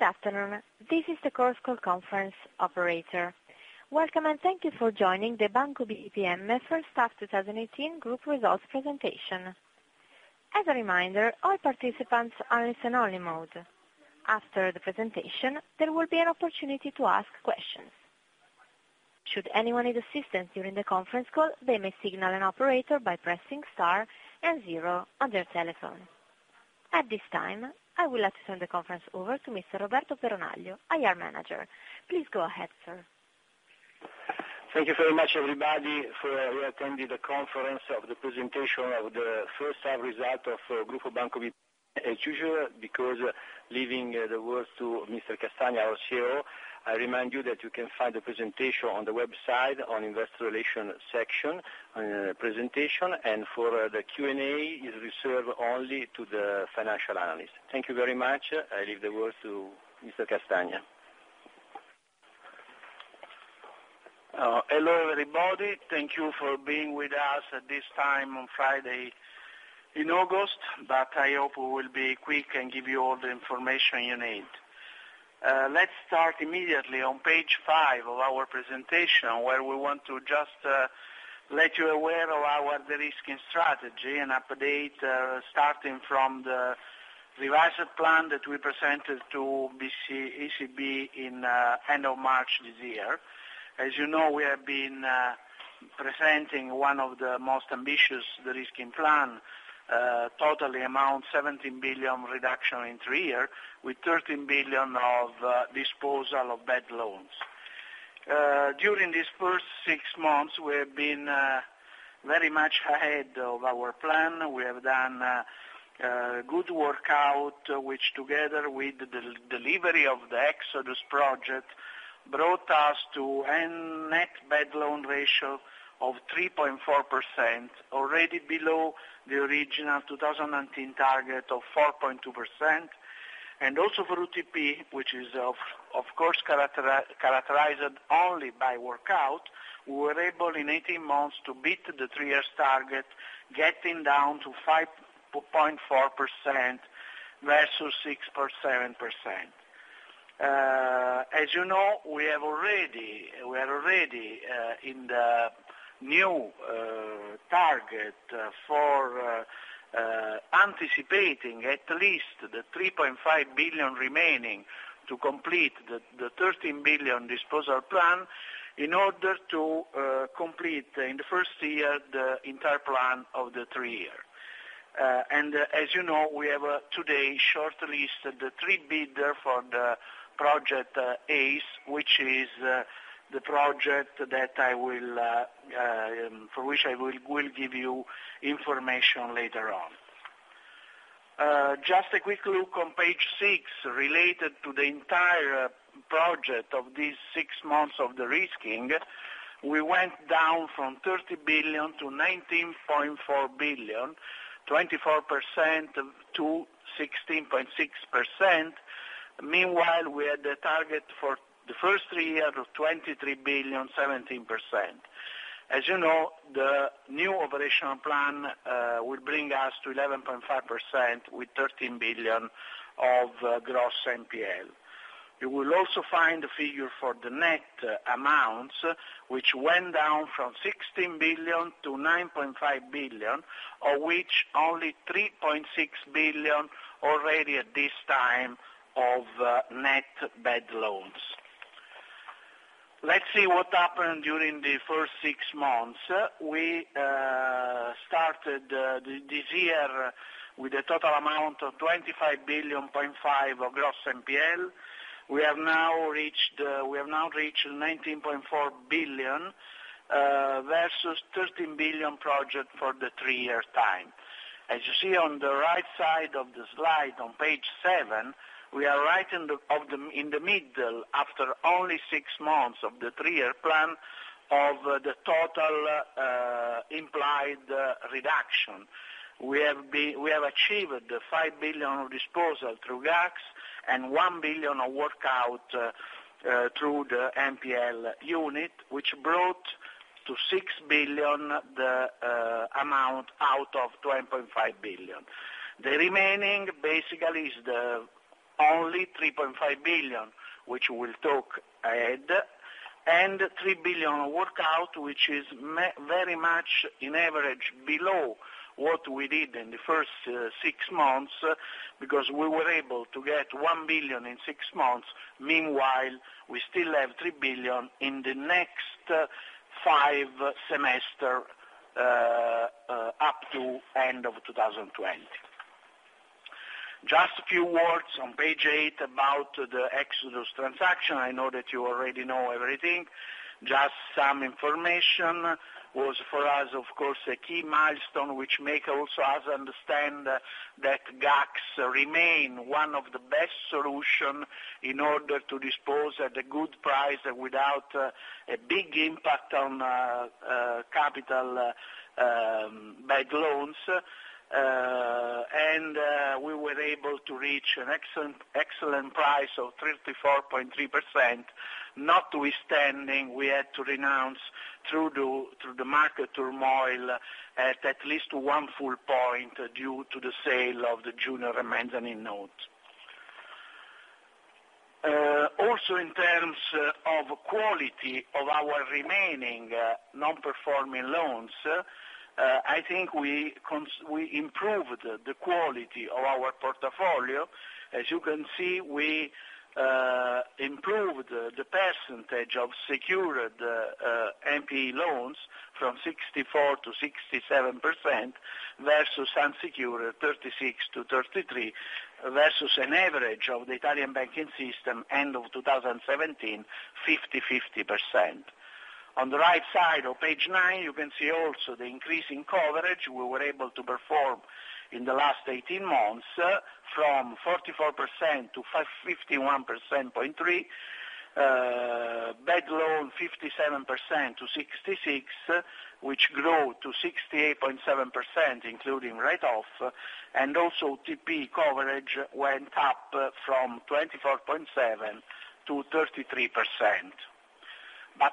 Good afternoon. This is the conference call operator. Welcome. Thank you for joining the Banco BPM first half 2018 group results presentation. As a reminder, all participants are in listen-only mode. After the presentation, there will be an opportunity to ask questions. Should anyone need assistance during the conference call, they may signal an operator by pressing star and zero on their telephone. At this time, I would like to turn the conference over to Mr. Roberto Peronaglio, IR Manager. Please go ahead, sir. Thank you very much everybody for attending the conference of the presentation of the first half results of Gruppo Banco BPM. As usual, before leaving the words to Mr. Castagna, our CEO, I remind you that you can find the presentation on the website on investor relations section, presentation, and for the Q&A is reserved only to the financial analysts. Thank you very much. I leave the words to Mr. Castagna. Hello, everybody. Thank you for being with us at this time on Friday in August. I hope we will be quick and give you all the information you need. Let's start immediately on page 5 of our presentation, where we want to just let you aware of our de-risking strategy and update, starting from the revised plan that we presented to ECB in end of March this year. As you know, we have been presenting one of the most ambitious de-risking plans, total amount 17 billion reduction in 3 years, with 13 billion of disposal of bad loans. During these first 6 months, we have been very much ahead of our plan. We have done good workout, which together with the delivery of the Project Exodus, brought us to end net bad loan ratio of 3.4%, already below the original 2019 target of 4.2%. Also for UTP, which is of course characterized only by workout, we were able in 18 months to beat the 3 years target, getting down to 5.4% versus 6% or 7%. As you know, we are already in the new target for anticipating at least the 3.5 billion remaining to complete the 13 billion disposal plan in order to complete in the first year the entire plan of the 3-year. As you know, we have today short-listed the 3 bidders for the Project ACE, which is the project for which I will give you information later on. Just a quick look on page 6, related to the entire project of these 6 months of de-risking. We went down from 30 billion to 19.4 billion, 24% to 16.6%. Meanwhile, we had the target for the first 3 years of 23 billion, 17%. As you know, the new operational plan will bring us to 11.5% with 13 billion of gross NPL. You will also find the figure for the net amounts, which went down from 16 billion to 9.5 billion, of which only 3.6 billion already at this time of net bad loans. Let's see what happened during the first six months. We started this year with a total amount of 25.5 billion of gross NPL. We have now reached 19.4 billion, versus 13 billion project for the three years' time. As you see on the right side of the slide on page seven, we are right in the middle, after only six months of the three-year plan, of the total implied reduction. We have achieved 5 billion of disposal through GACS and 1 billion of workout through the NPL unit, which brought to 6 billion the amount out of 20.5 billion. The remaining basically is only 3.5 billion, which we'll talk ahead, and 3 billion workout, which is very much in average below what we did in the first six months, because we were able to get 1 billion in six months. Meanwhile, we still have 3 billion in the next five semesters up to end of 2020. Just a few words on page eight about the Project Exodus transaction. I know that you already know everything. Just some information. Was for us, of course, a key milestone, which make also us understand that GACS remain one of the best solution in order to dispose at a good price without a big impact on Capital bad loans. We were able to reach an excellent price of 34.3%, notwithstanding, we had to renounce through the market turmoil at least one full point due to the sale of the junior mezzanine notes. In terms of quality of our remaining non-performing loans, I think we improved the quality of our portfolio. As you can see, we improved the percentage of secured NPE loans from 64% to 67%, versus unsecured, 36% to 33%, versus an average of the Italian banking system end of 2017, 50/50%. On the right side of page nine, you can see also the increase in coverage. We were able to perform in the last 18 months from 44% to 51.3%. Bad loan, 57% to 66%, which grew to 68.7% including write-off, and also UTP coverage went up from 24.7% to 33%.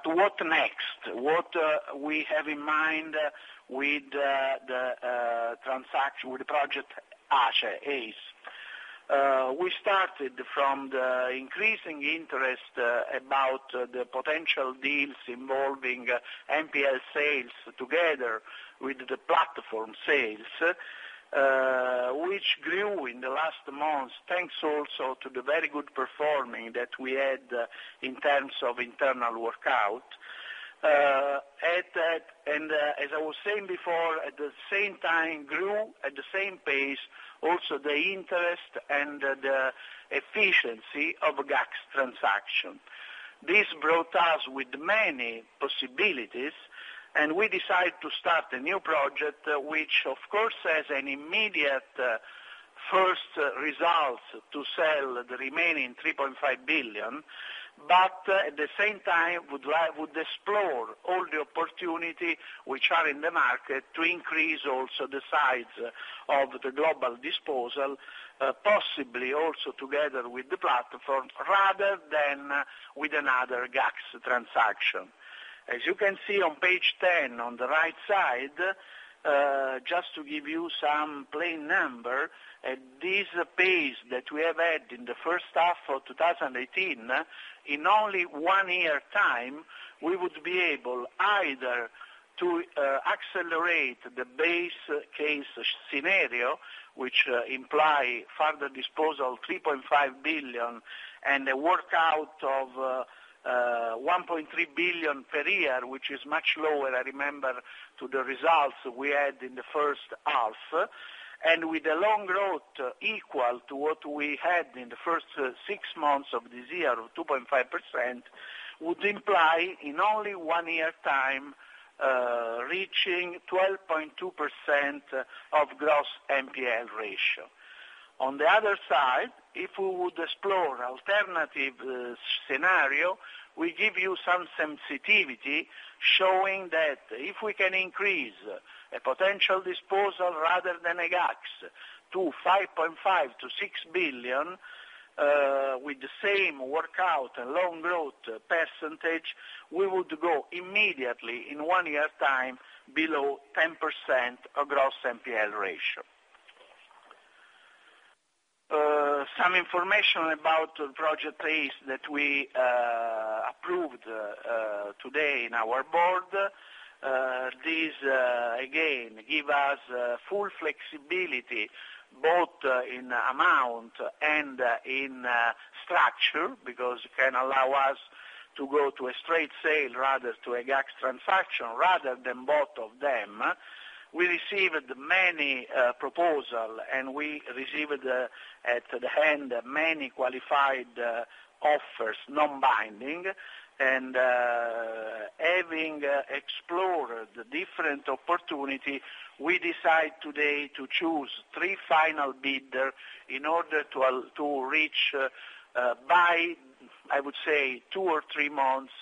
What next? What we have in mind with the Project ACE. We started from the increasing interest about the potential deals involving NPL sales, together with the platform sales, which grew in the last months, thanks also to the very good performing that we had in terms of internal workout. As I was saying before, at the same time, grew at the same pace, also the interest and the efficiency of a GACS transaction. This brought us with many possibilities. We decide to start a new project, which of course has an immediate first result to sell the remaining 3.5 billion, at the same time, would explore all the opportunities which are in the market to increase also the size of the global disposal, possibly also together with the platform rather than with another GACS transaction. As you can see on page 10, on the right side, just to give you some plain number, at this pace that we have had in the first half of 2018, in only one year time, we would be able either to accelerate the base case scenario, which imply further disposal of 3.5 billion and a workout of 1.3 billion per year, which is much lower, I remember, to the results we had in the first half. With the loan growth equal to what we had in the first six months of this year of 2.5%, would imply in only one year time, reaching 12.2% of gross NPL ratio. On the other side, if we would explore alternative scenario, we give you some sensitivity showing that if we can increase a potential disposal rather than a GACS to 5.5 billion to 6 billion, with the same workout and loan growth percentage, we would go immediately in one year time below 10% of gross NPL ratio. Some information about Project ACE that we approved today in our board. This, again, give us full flexibility both in amount and in structure, because it can allow us to go to a straight sale rather to a GACS transaction, rather than both of them. We received many proposal, we received at the end, many qualified offers, non-binding. Having explored the different opportunity, we decide today to choose three final bidder in order to reach by, I would say, two or three months,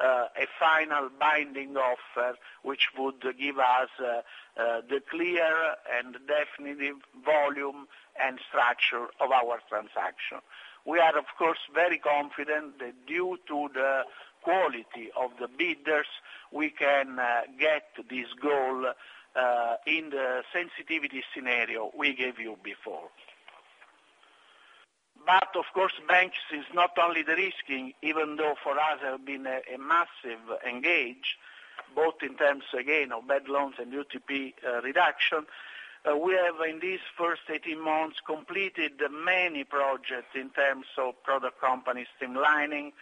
a final binding offer, which would give us the clear and definitive volume and structure of our transaction. We are, of course, very confident that due to the quality of the bidders, we can get this goal in the sensitivity scenario we gave you before. Of course, banks is not only derisking, even though for us, have been a massive engage, both in terms, again, of bad loans and UTP reduction. We have, in these first 18 months, completed many projects in terms of product company streamlining,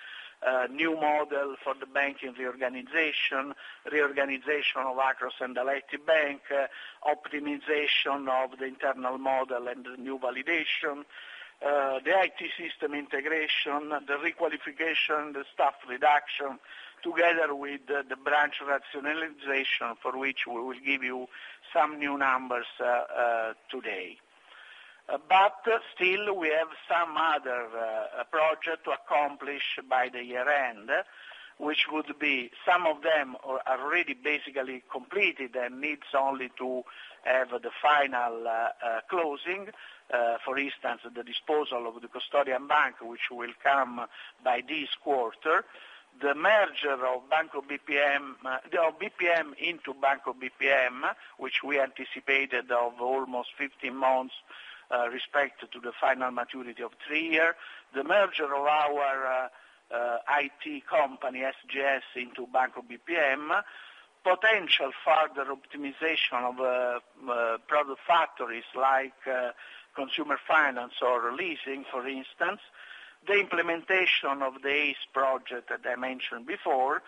new model for the banking reorganization of Agos and Aletti Bank, optimization of the internal model and the new validation, the IT system integration, the re-qualification, the staff reduction, together with the branch rationalization, for which we will give you some new numbers today. Still, we have some other project to accomplish by the year-end, which would be some of them are already basically completed and needs only to have the final closing. For instance, the disposal of the Depositary Bank, which will come by this quarter, the merger of BPM into Banco BPM, which we anticipated of almost 15 months respect to the final maturity of three-year, the merger of our IT company, SGS, into Banco BPM, potential further optimization of product factories like consumer finance or leasing, for instance, the implementation of the ACE project that I mentioned before,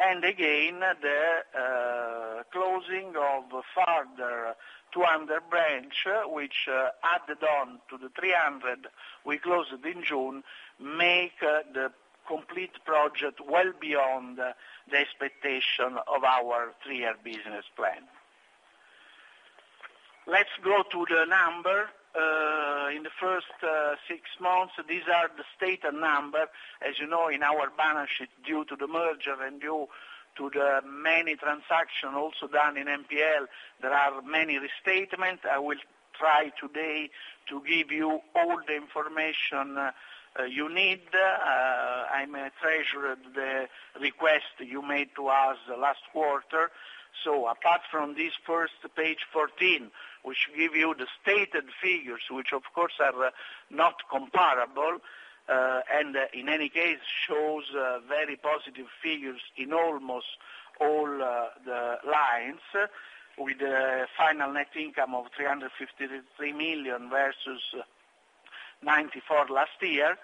and again, the closing of further 200 branch, which added on to the 300 we closed in June, make the complete project well beyond the expectation of our three-year business plan. Let's go to the number. In the first six months, these are the stated number. As you know, in our balance sheet, due to the merger and due to the many transaction also done in NPL, there are many restatements. I will try today to give you all the information you need. I treasured the request you made to us last quarter. Apart from this first Page 14, which give you the stated figures, which, of course, are not comparable, and in any case, shows very positive figures in almost all the lines, with a final net income of 353 million versus 94 last year.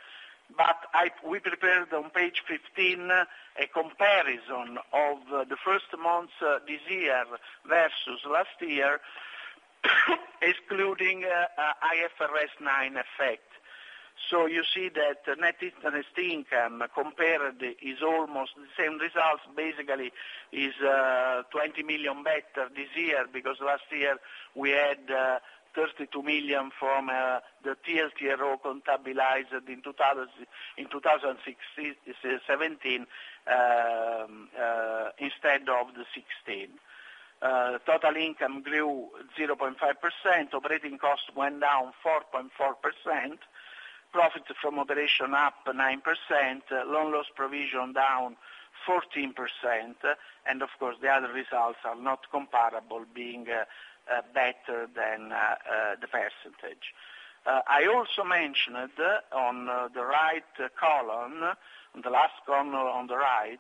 We prepared on Page 15 a comparison of the first months this year versus last year, excluding IFRS 9 effect. You see that net interest income compared is almost the same results, basically is 20 million better this year, because last year we had 32 million from the TLTRO contabilized in 2017 instead of the 2016. Total income grew 0.5%, operating cost went down 4.4%, profit from operation up 9%, loan loss provision down 14%. Of course, the other results are not comparable, being better than the percentage. I also mentioned on the right column, on the last column on the right,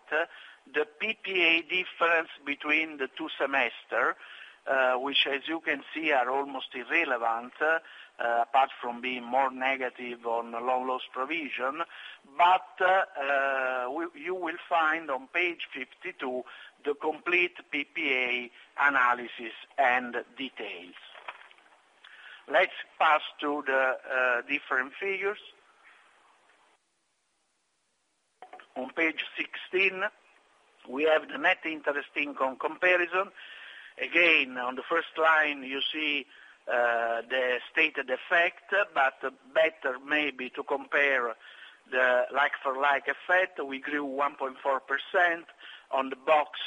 the PPA difference between the two semester, which as you can see, are almost irrelevant, apart from being more negative on loan loss provision. You will find on Page 52 the complete PPA analysis and details. Let's pass to the different figures. On Page 16, we have the net interest income comparison. Again, on the first line you see the stated effect, but better maybe to compare the like-for-like effect. We grew 1.4%. On the box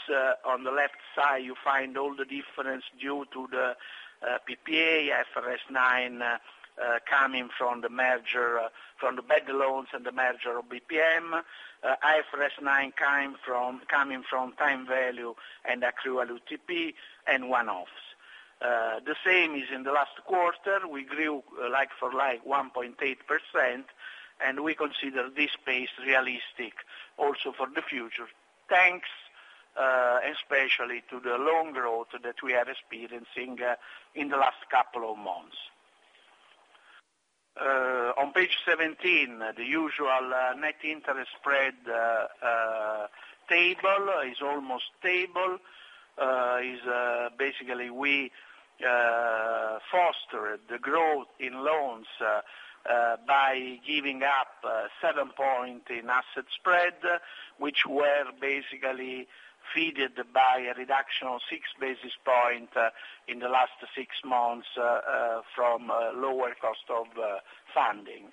on the left side, you find all the difference due to the PPA, IFRS 9 coming from the merger, from the bad loans and the merger of BPM, IFRS 9 coming from time value and accrue UTP, and one-offs. The same is in the last quarter. We grew like-for-like 1.8%. We consider this pace realistic also for the future. Thanks especially to the loan growth that we are experiencing in the last couple of months. On Page 17, the usual net interest spread table is almost stable, is basically we foster the growth in loans by giving up seven point in asset spread, which were basically feeded by a reduction of six basis point in the last six months from lower cost of funding.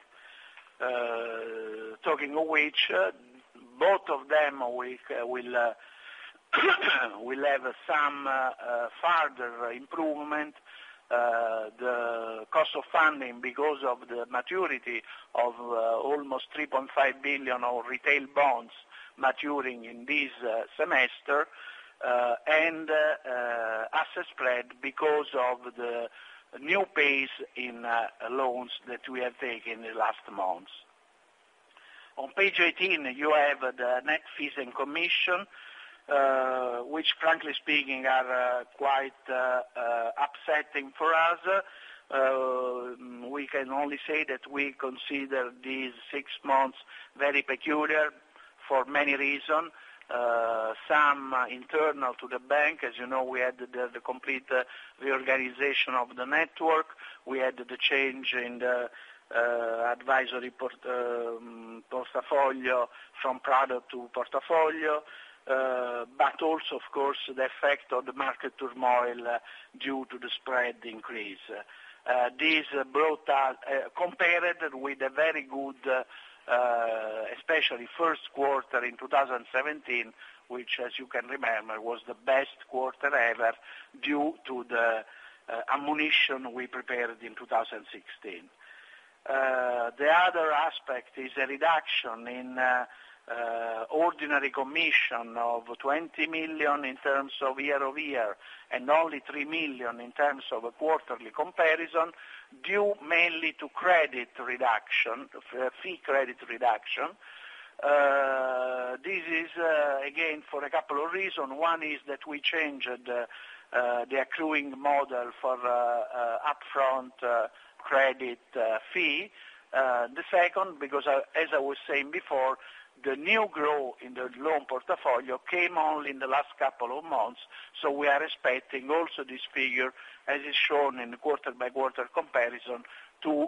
Talking of which, both of them will have some further improvement. The cost of funding, because of the maturity of almost 3.5 billion of retail bonds maturing in this semester, and asset spread because of the new pace in loans that we have taken in the last months. On page 18, you have the net fees and commission, which frankly speaking, are quite upsetting for us. We can only say that we consider these six months very peculiar for many reasons, some internal to the bank. As you know, we had the complete reorganization of the network. We had the change in the advisory portfolio from product to portfolio, but also, of course, the effect of the market turmoil due to the spread increase. This brought us, compared with the very good, especially first quarter of 2017, which, as you can remember, was the best quarter ever due to the ammunition we prepared in 2016. The other aspect is a reduction in ordinary commission of 20 million in terms of year-over-year, and only 3 million in terms of quarterly comparison, due mainly to fee credit reduction. This is, again, for a couple of reasons. One is that we changed the accruing model for upfront credit fee. The second, because as I was saying before, the new growth in the loan portfolio came only in the last couple of months, so we are expecting also this figure, as is shown in quarter-over-quarter comparison, to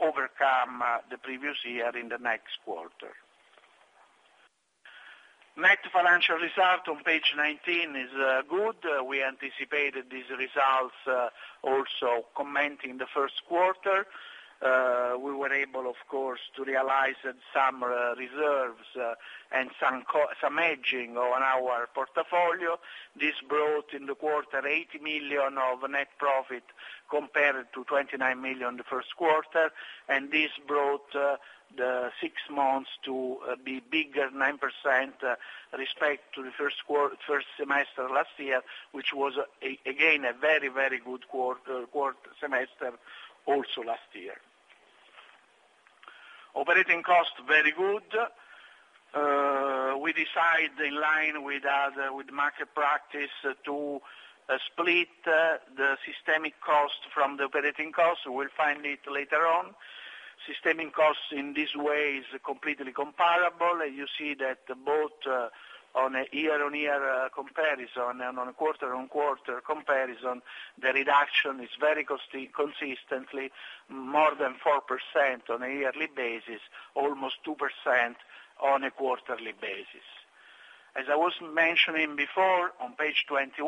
overcome the previous year in the next quarter. Net financial result on page 19 is good. We anticipated these results, also commenting the first quarter. We were able, of course, to realize some reserves and some aging on our portfolio. This brought in the quarter 80 million of net profit compared to 29 million the first quarter, and this brought the six months to be 9% bigger compared to the first semester last year, which was again, a very, very good semester also last year. Operating costs, very good. We decided in line with market practice to split the systemic costs from the operating costs. We'll find it later on. Systemic costs in this way is completely comparable. You see that both on a year-on-year comparison and on a quarter-on-quarter comparison, the reduction is very consistently more than 4% on a yearly basis, almost 2% on a quarterly basis. As I was mentioning before, on page 21,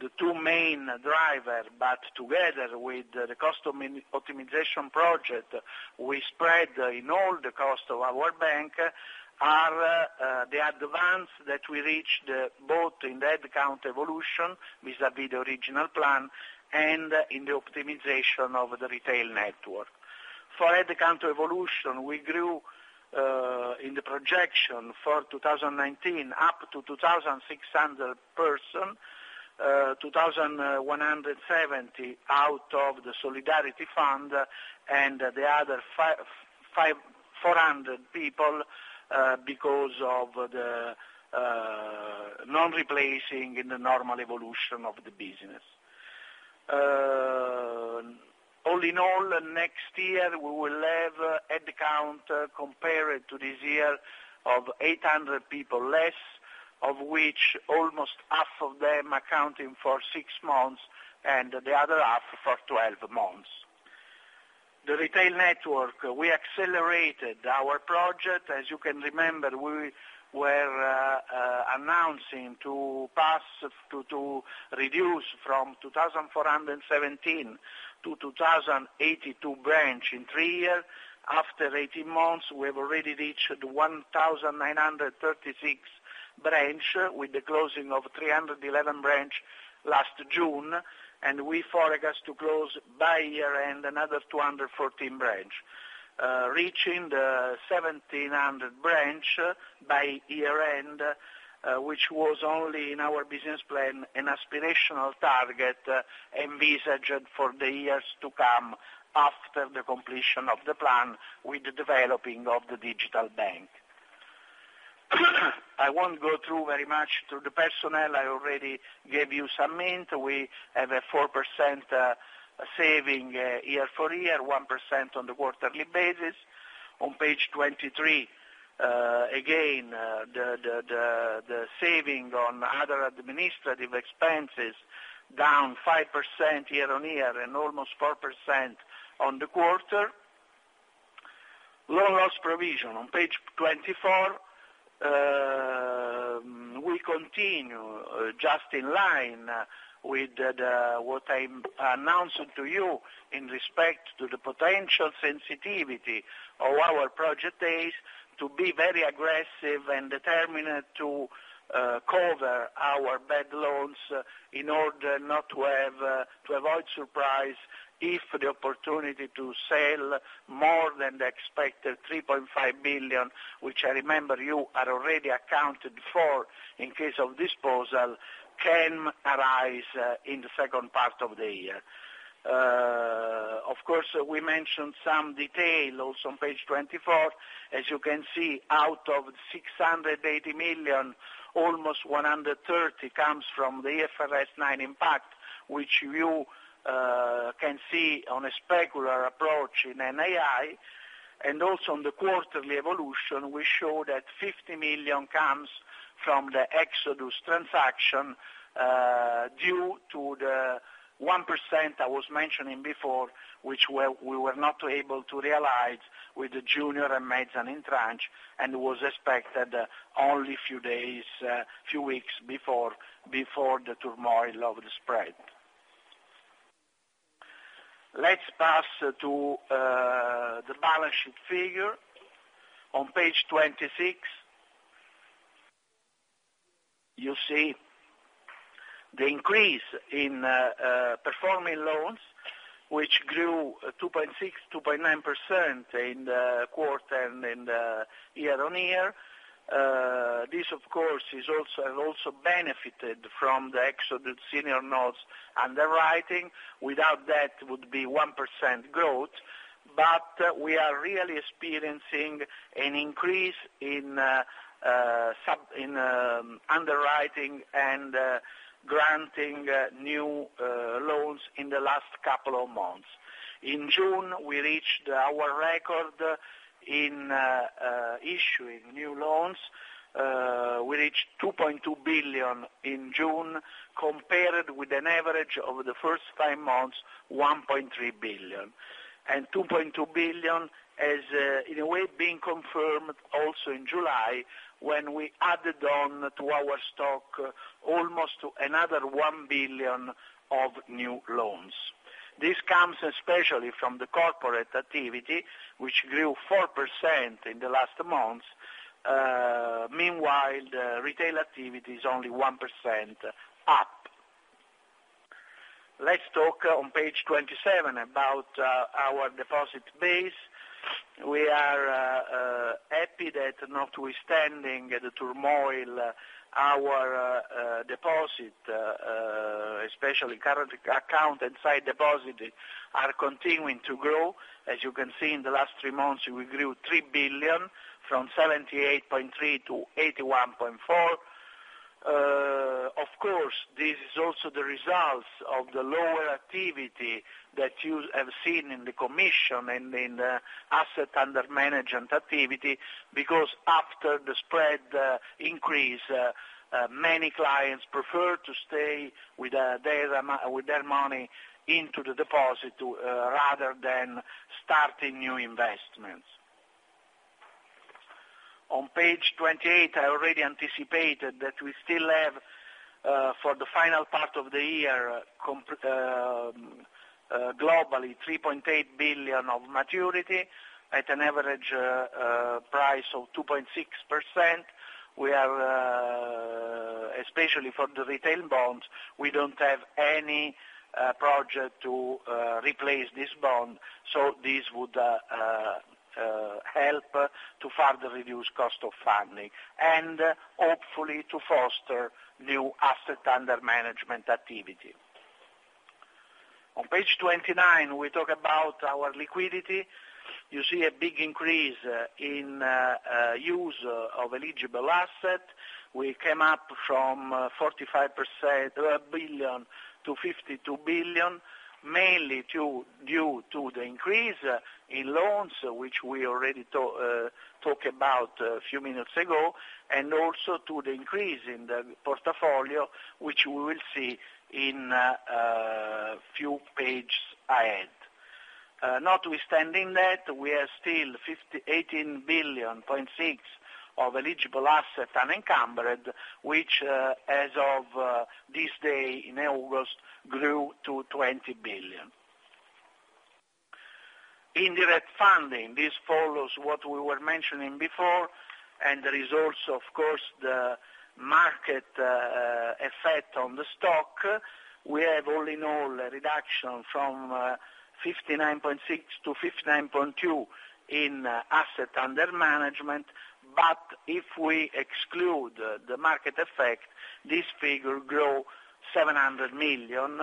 the two main drivers, but together with the cost optimization project we spread in all the costs of our bank, are the advance that we reached both in the headcount evolution vis-à-vis the original plan, and in the optimization of the retail network. For headcount evolution, we grew in the projection for 2019 up to 2,600 people, 2,170 out of the solidarity fund, and the other 400 people because of the non-replacement in the normal evolution of the business. All in all, next year, we will have headcount compared to this year of 800 people less, of which almost half of them accounting for six months and the other half for 12 months. The retail network, we accelerated our project. As you can remember, we were announcing to reduce from 2,417 to 2,082 branches in three years. After 18 months, we have already reached 1,936 branch with the closing of 311 branch last June, we forecast to close by year-end another 214 branch, reaching the 1,700 branch by year-end, which was only in our business plan, an aspirational target envisaged for the years to come after the completion of the plan with the developing of the digital bank. I won't go through very much to the personnel. I already gave you some hint. We have a 4% saving year for year, 1% on the quarterly basis. On page 23, again the saving on other administrative expenses, down 5% year-on-year and almost 4% on the quarter. Loan loss provision on page 24. We continue just in line with what I'm announcing to you in respect to the potential sensitivity of our Project ACE to be very aggressive and determined to cover our bad loans in order to avoid surprise if the opportunity to sell more than the expected 3.5 billion, which I remember you had already accounted for in case of disposal, can arise in the second part of the year. Of course, we mentioned some detail also on page 24. As you can see, out of 680 million, almost 130 million comes from the IFRS 9 impact, which you can see on a specular approach in NII. Also on the quarterly evolution, we show that 50 million comes from the Project Exodus due to the 1% I was mentioning before, which we were not able to realize with the junior and mezzanine tranche, and was expected only a few weeks before the turmoil of the spread. Let's pass to the balance sheet figure. On page 26, you see the increase in performing loans, which grew 2.6%, 2.9% in the quarter and year-on-year. This, of course, has also benefited from the Project Exodus senior notes underwriting. Without that, it would be 1% growth. We are really experiencing an increase in underwriting and granting new loans in the last couple of months. In June, we reached our record in issuing new loans. We reached 2.2 billion in June, compared with an average over the first five months, 1.3 billion. 2.2 billion has, in a way, been confirmed also in July, when we added on to our stock almost another 1 billion of new loans. This comes especially from the corporate activity, which grew 4% in the last month. Meanwhile, the retail activity is only 1% up. Let's talk on page 27 about our deposit base. We are happy that notwithstanding the turmoil, our deposit, especially current account and site deposits, are continuing to grow. As you can see, in the last three months, we grew 3 billion, from 78.3 billion to 81.4 billion. Of course, this is also the result of the lower activity that you have seen in the commission and in the asset under management activity, because after the spread increase, many clients prefer to stay with their money into the deposit rather than starting new investments. On page 28, I already anticipated that we still have, for the final part of the year, globally 3.8 billion of maturity at an average price of 2.6%. Especially for the retail bonds, we don't have any project to replace this bond, so this would help to further reduce cost of funding, and hopefully to foster new asset under management activity. On page 29, we talk about our liquidity. You see a big increase in use of eligible asset. We came up from 45 billion to 52 billion, mainly due to the increase in loans, which we already talked about a few minutes ago, and also to the increase in the portfolio, which we will see in a few pages ahead. Notwithstanding that, we are still 18.6 billion of eligible assets unencumbered, which as of this day in August, grew to 20 billion. Indirect funding. This follows what we were mentioning before, and the results, of course, the market effect on the stock. We have all in all, a reduction from 59.6 to 59.2 in asset under management. If we exclude the market effect, this figure grew 700 million,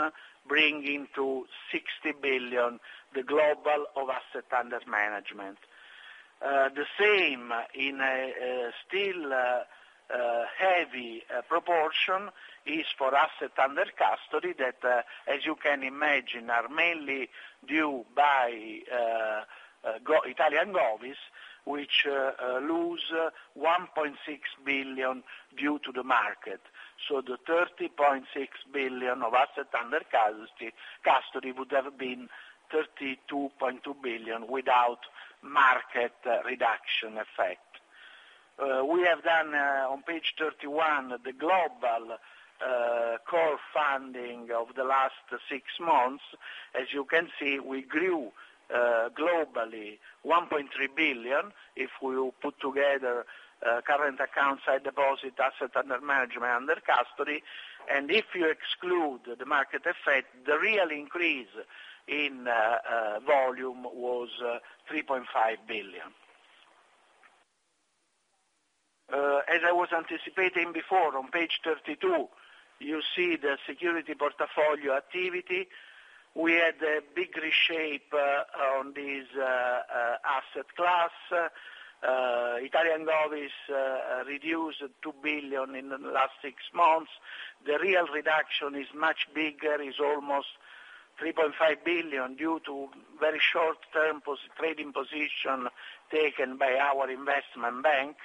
bringing to 60 billion the global of asset under management. The same in a still heavy proportion is for asset under custody, that as you can imagine, are mainly due by Italian govies, which lose 1.6 billion due to the market. The 30.6 billion of asset under custody would have been 32.2 billion without market reduction effect. We have done, on page 31, the global core funding of the last six months. As you can see, we grew globally 1.3 billion if we put together current accounts, sight deposit, asset under management, under custody. If you exclude the market effect, the real increase in volume was 3.5 billion. As I was anticipating before, on page 32, you see the security portfolio activity. We had a big reshape on this asset class. Italian govies reduced 2 billion in the last six months. The real reduction is much bigger, is almost 3.5 billion due to very short-term trading position taken by our investment bank.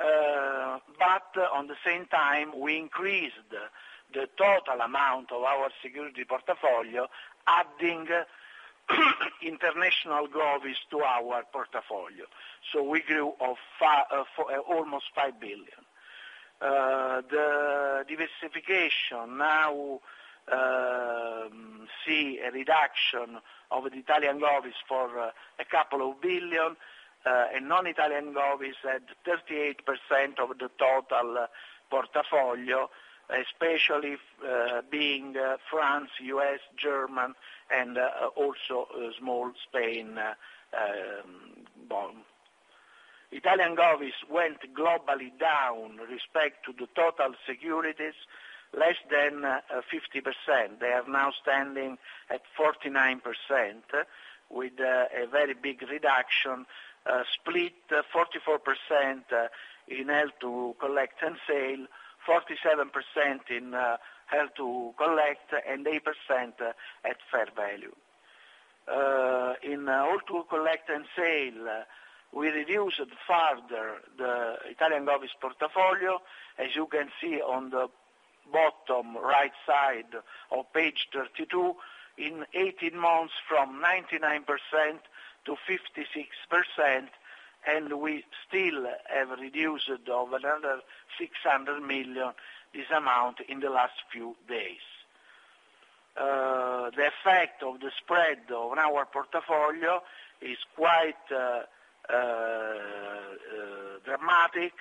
On the same time, we increased the total amount of our security portfolio, adding international govies to our portfolio. We grew almost 5 billion. The diversification now see a reduction of the Italian govies for a couple of billion, and non-Italian govies at 38% of the total portfolio, especially being France, U.S., Germany, and also small Spain bond. Italian govies went globally down respect to the total securities, less than 50%. They are now standing at 49%, with a very big reduction split 44% in Held to Collect and Sell, 47% in Held to Collect, and 8% at fair value. In Held to Collect and Sell, we reduced further the Italian govies portfolio, as you can see on the bottom right side of page 32, in 18 months from 99% to 56%, and we still have reduced over another 600 million this amount in the last few days. The effect of the spread on our portfolio is quite dramatic,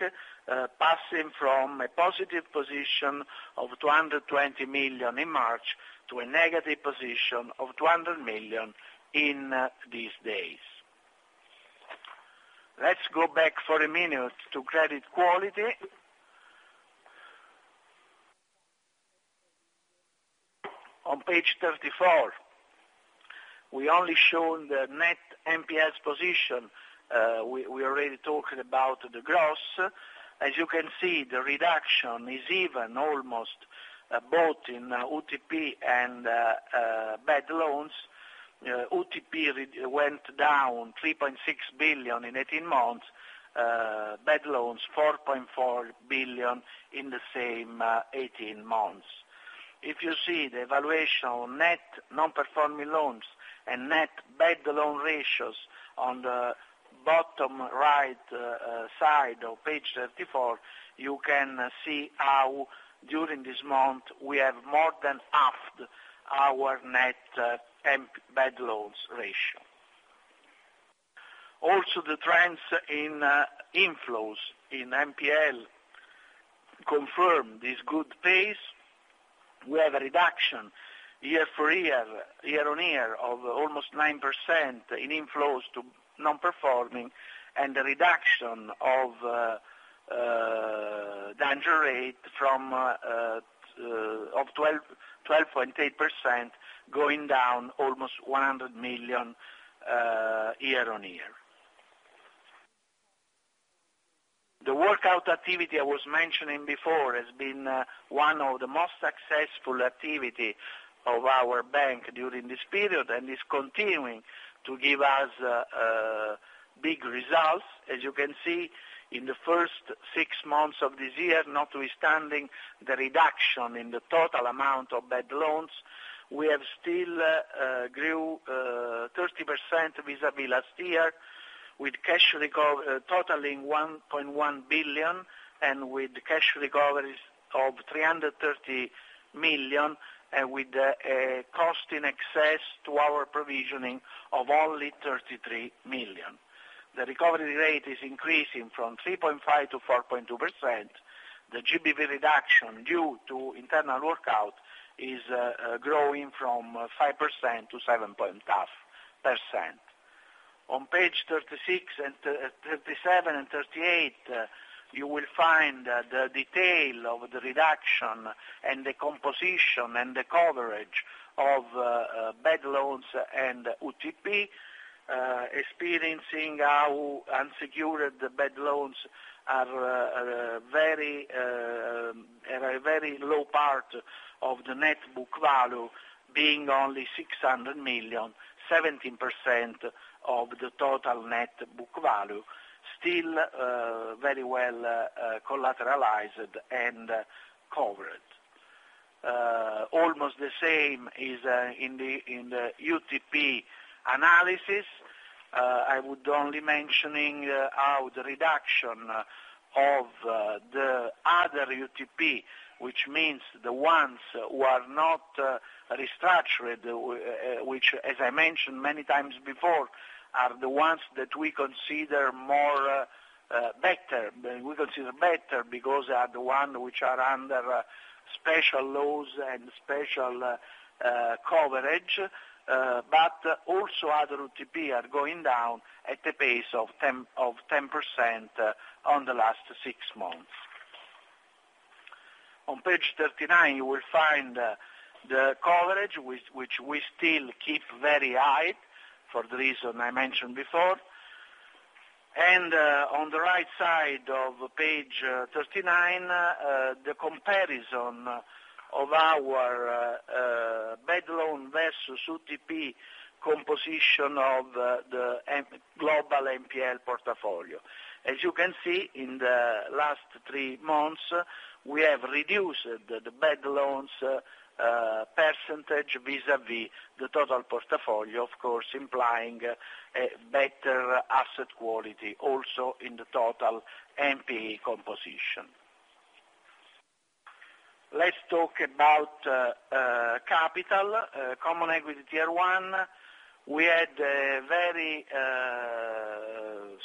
passing from a positive position of 220 million in March to a negative position of 200 million in these days. Let's go back for a minute to credit quality. On page 34, we only shown the net NPL position. We already talked about the gross. As you can see, the reduction is even almost both in UTP and bad loans. UTP went down 3.6 billion in 18 months, bad loans 4.4 billion in the same 18 months. If you see the evaluation on net non-performing loans and net bad loan ratios on the bottom right side of page 34, you can see how during this month we have more than halved our net bad loans ratio. Also, the trends in inflows in NPL confirm this good pace. We have a reduction year-on-year of almost 9% in inflows to non-performing, and a reduction of danger rate of 12.8%, going down almost EUR 100 million year-on-year. The workout activity I was mentioning before has been one of the most successful activity of our bank during this period, and is continuing to give us big results. As you can see, in the first six months of this year, notwithstanding the reduction in the total amount of bad loans, we have still grew 30% vis-à-vis last year with cash totaling 1.1 billion and with cash recoveries of 330 million, and with cost in excess to our provisioning of only 33 million. The recovery rate is increasing from 3.5% to 4.2%. The GBV reduction due to internal workout is growing from 5% to 7.5%. On page 36, 37 and 38, you will find the detail of the reduction and the composition and the coverage of bad loans and UTP, experiencing how unsecured bad loans are a very low part of the net book value, being only 600 million, 17% of the total net book value, still very well collateralized and covered. Almost the same is in the UTP analysis. I would only mentioning how the reduction of the other UTP, which means the ones who are not restructured, which as I mentioned many times before, are the ones that we consider better because they are the one which are under special laws and special coverage. Also other UTP are going down at the pace of 10% on the last six months. On page 39, you will find the coverage, which we still keep very high for the reason I mentioned before. On the right side of page 39, the comparison of our bad loan versus UTP composition of the global NPL portfolio. As you can see, in the last three months, we have reduced the bad loans percentage vis-à-vis the total portfolio, of course, implying a better asset quality also in the total NPE composition. Let's talk about capital common equity tier one. We had a very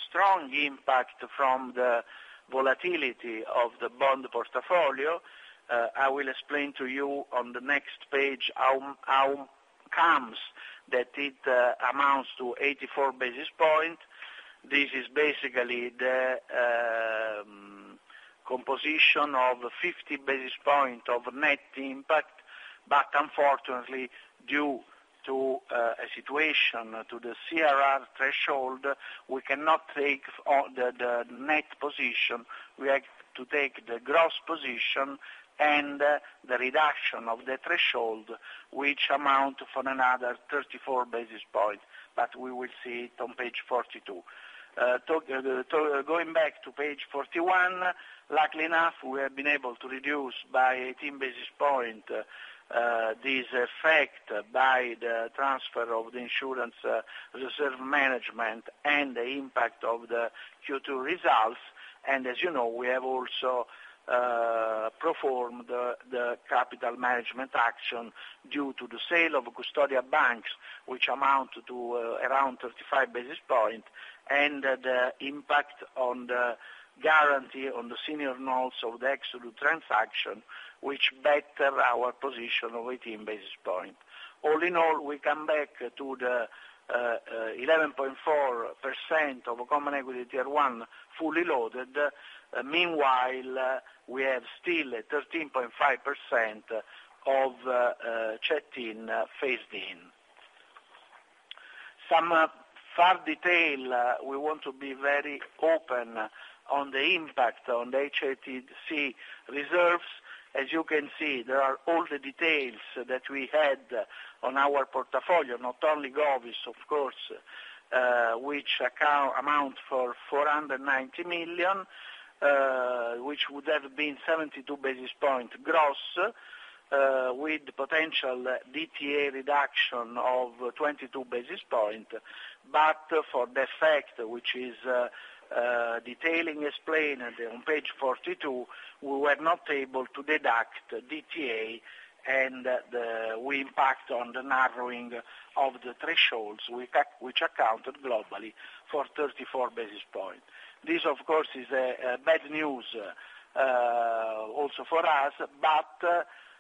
strong impact from the volatility of the bond portfolio. I will explain to you on the next page how comes that it amounts to 84 basis point. This is basically the composition of 50 basis point of net impact. Unfortunately, due to a situation to the CRR threshold, we cannot take the net position. We have to take the gross position and the reduction of the threshold, which amount for another 34 basis point, we will see it on page 42. Going back to page 41, luckily enough, we have been able to reduce by 18 basis point this effect by the transfer of the insurance reserve management and the impact of the Q2 results. As you know, we have also performed the capital management action due to the sale of Depositary Bank, which amount to around 35 basis points, and the impact on the guarantee on the senior notes of the Project Exodus transaction, which better our position of 18 basis points. All in all, we come back to the 11.4% of common equity tier 1 fully loaded. Meanwhile, we have still 13.5% of CET1 phased in. Some further detail, we want to be very open on the impact on the HTC&S reserves. As you can see, there are all the details that we had on our portfolio, not only govies, of course, which amount to 490 million, which would have been 72 basis points gross with potential DTA reduction of 22 basis points. For the effect, which is detailing explained on page 42, we were not able to deduct DTA, and we impact on the narrowing of the thresholds, which accounted globally for 34 basis points. This, of course, is bad news also for us.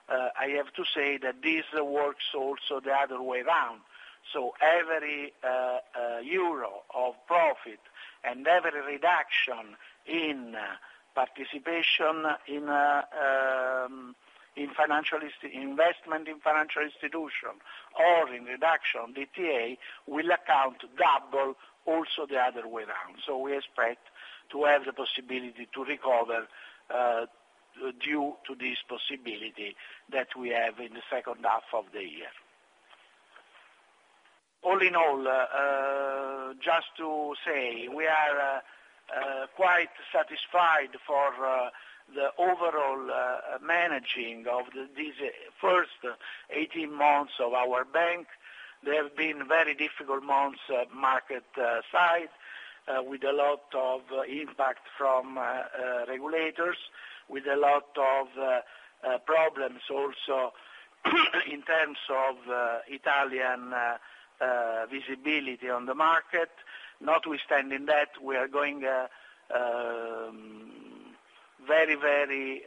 I have to say that this works also the other way around. Every EUR of profit and every reduction in participation in investment in financial institution or in reduction DTA will account double also the other way around. We expect to have the possibility to recover due to this possibility that we have in the second half of the year. All in all, just to say, we are quite satisfied for the overall managing of these first 18 months of our bank. There have been very difficult months market-side, with a lot of impact from regulators, with a lot of problems also in terms of Italian visibility on the market. Notwithstanding that, we are very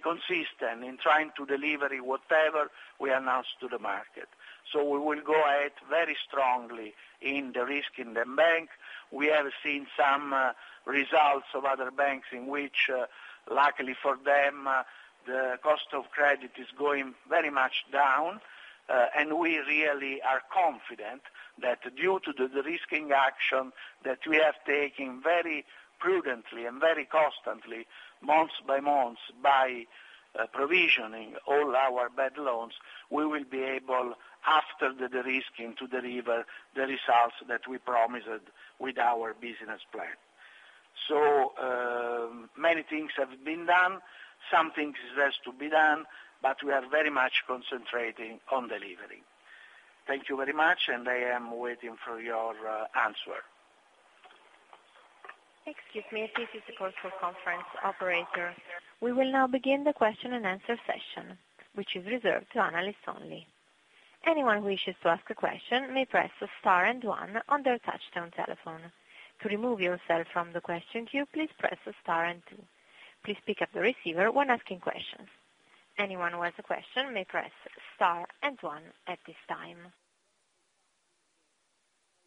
consistent in trying to deliver whatever we announced to the market. We will go ahead very strongly in de-risking the bank. We have seen some results of other banks in which, luckily for them, the cost of credit is going very much down. We really are confident that due to the de-risking action that we have taken very prudently and very constantly, month by month, by provisioning all our bad loans, we will be able, after the de-risking, to deliver the results that we promised with our business plan. Many things have been done, some things are yet to be done. We are very much concentrating on delivering. Thank you very much. I am waiting for your answer. Excuse me. This is the conference call operator. We will now begin the question and answer session, which is reserved to analysts only. Anyone who wishes to ask a question may press star and one on their touchtone telephone. To remove yourself from the question queue, please press star and two. Please pick up the receiver when asking questions. Anyone who has a question may press star and one at this time.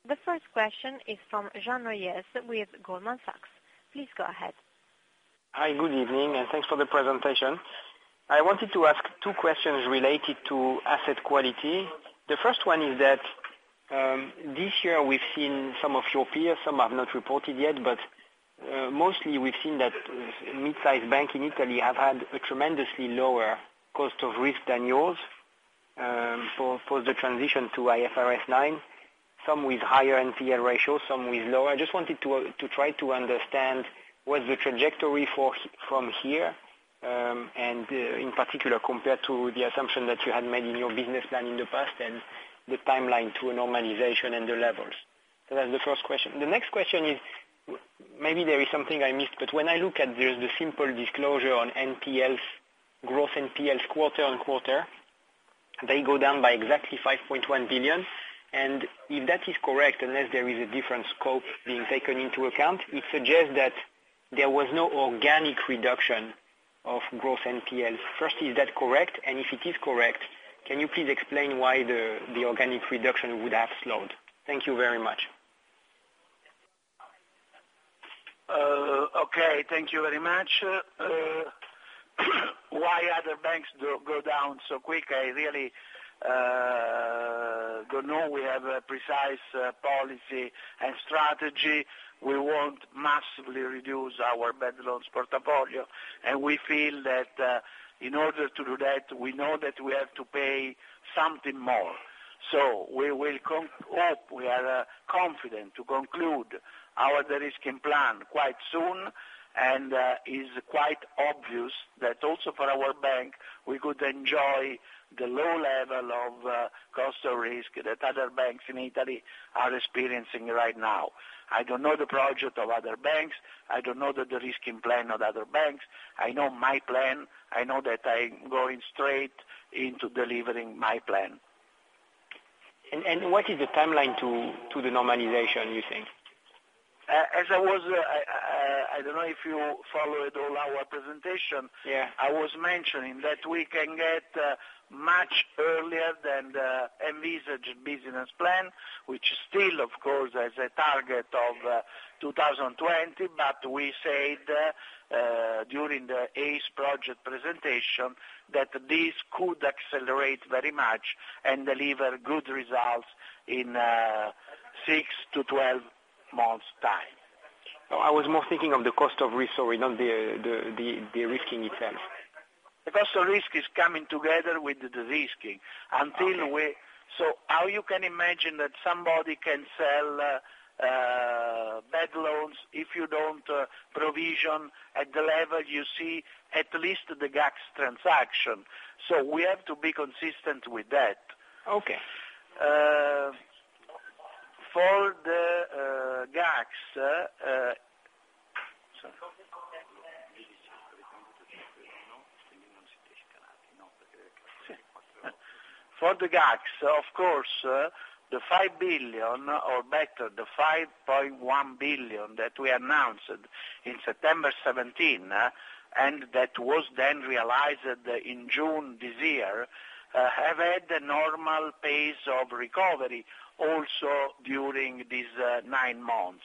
The first question is from Jean Royer with Goldman Sachs. Please go ahead. Hi, good evening. Thanks for the presentation. I wanted to ask two questions related to asset quality. The first one is that, this year we've seen some of your peers, some have not reported yet, but mostly we've seen that midsize banks in Italy have had a tremendously lower cost of risk than yours, for the transition to IFRS 9, some with higher NPL ratios, some with lower. I just wanted to try to understand what the trajectory from here, and in particular, compared to the assumption that you had made in your business plan in the past, and the timeline to a normalization and the levels. That's the first question. The next question is, maybe there is something I missed, but when I look at the simple disclosure on NPLs, gross NPLs quarter on quarter, they go down by exactly 5.1 billion. If that is correct, unless there is a different scope being taken into account, it suggests that there was no organic reduction of gross NPL. First, is that correct? If it is correct, can you please explain why the organic reduction would have slowed? Thank you very much. Okay, thank you very much. Why other banks go down so quick, I really don't know. We have a precise policy and strategy. We won't massively reduce our bad loans portfolio, and we feel that in order to do that, we know that we have to pay something more. We are confident to conclude our de-risking plan quite soon, and it is quite obvious that also for our bank, we could enjoy the low level of cost of risk that other banks in Italy are experiencing right now. I don't know the project of other banks. I don't know the de-risking plan of other banks. I know my plan. I know that I'm going straight into delivering my plan. What is the timeline to the normalization, you think? As I was, I don't know if you followed all our presentation. Yeah. I was mentioning that we can get much earlier than the envisaged business plan, which still, of course, has a target of 2020, but we said during the ACE project presentation that this could accelerate very much and deliver good results in 6-12 months' time. I was more thinking of the cost of risk, sorry, not the de-risking itself. The cost of risk is coming together with the de-risking. Okay. How you can imagine that somebody can sell bad loans if you don't provision at the level you see at least the GACS transaction. We have to be consistent with that. Okay. For the GACS. Sorry. For the GACS, of course, the 5 billion, or better, the 5.1 billion that we announced in September 2017, and that was then realized in June this year, have had the normal pace of recovery also during these nine months.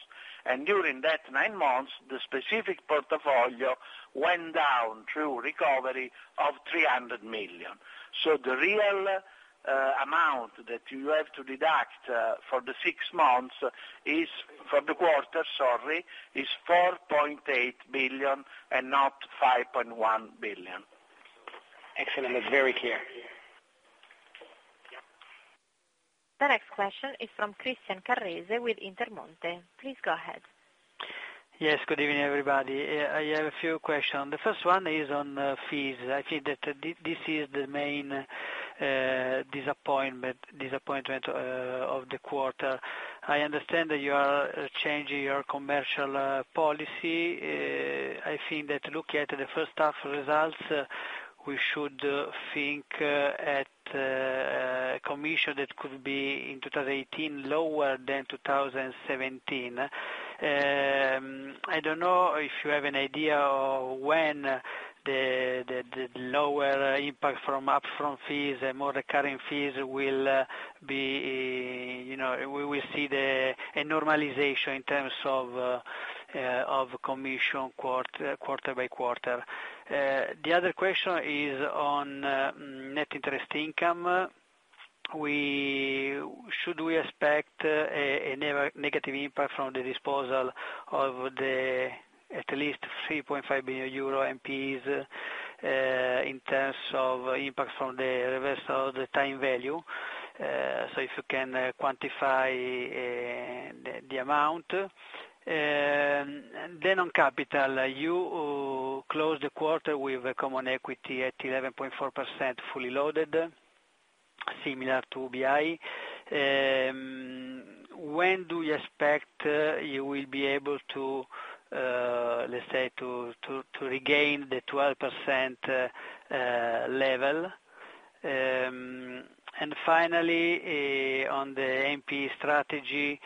During that nine months, the specific portfolio went down through recovery of 300 million. The real amount that you have to deduct for the quarter is 4.8 billion and not 5.1 billion. Excellent. It's very clear. The next question is from Christian Carrese with Intermonte. Please go ahead. Yes, good evening, everybody. I have a few questions. The first one is on fees. I think that this is the main disappointment of the quarter. I understand that you are changing your commercial policy. I think that looking at the first half results, we should think at commission that could be in 2018, lower than 2017. I don't know if you have an idea of when the lower impact from upfront fees and more recurring fees, we will see a normalization in terms of commission quarter by quarter. The other question is on net interest income. Should we expect a negative impact from the disposal of at least 3.5 billion euro NPEs, in terms of impact from the reversal of the time value? If you can quantify the amount. On capital, you closed the quarter with a common equity at 11.4% fully loaded, similar to UBI. When do you expect you will be able to, let's say, regain the 12% level? Finally, on the NPE strategy,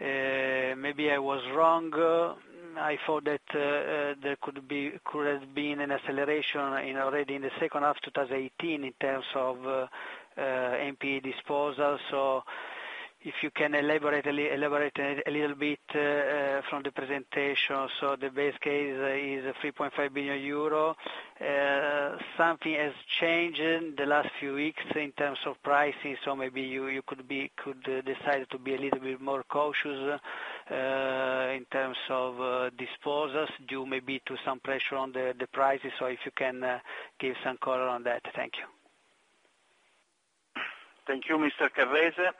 maybe I was wrong. I thought that there could have been an acceleration already in the second half of 2018 in terms of NPE disposals or If you can elaborate a little bit from the presentation. The base case is 3.5 billion euro. Something has changed in the last few weeks in terms of pricing, so maybe you could decide to be a little bit more cautious in terms of disposals due maybe to some pressure on the prices. If you can give some color on that. Thank you. Thank you, Mr. Carrese.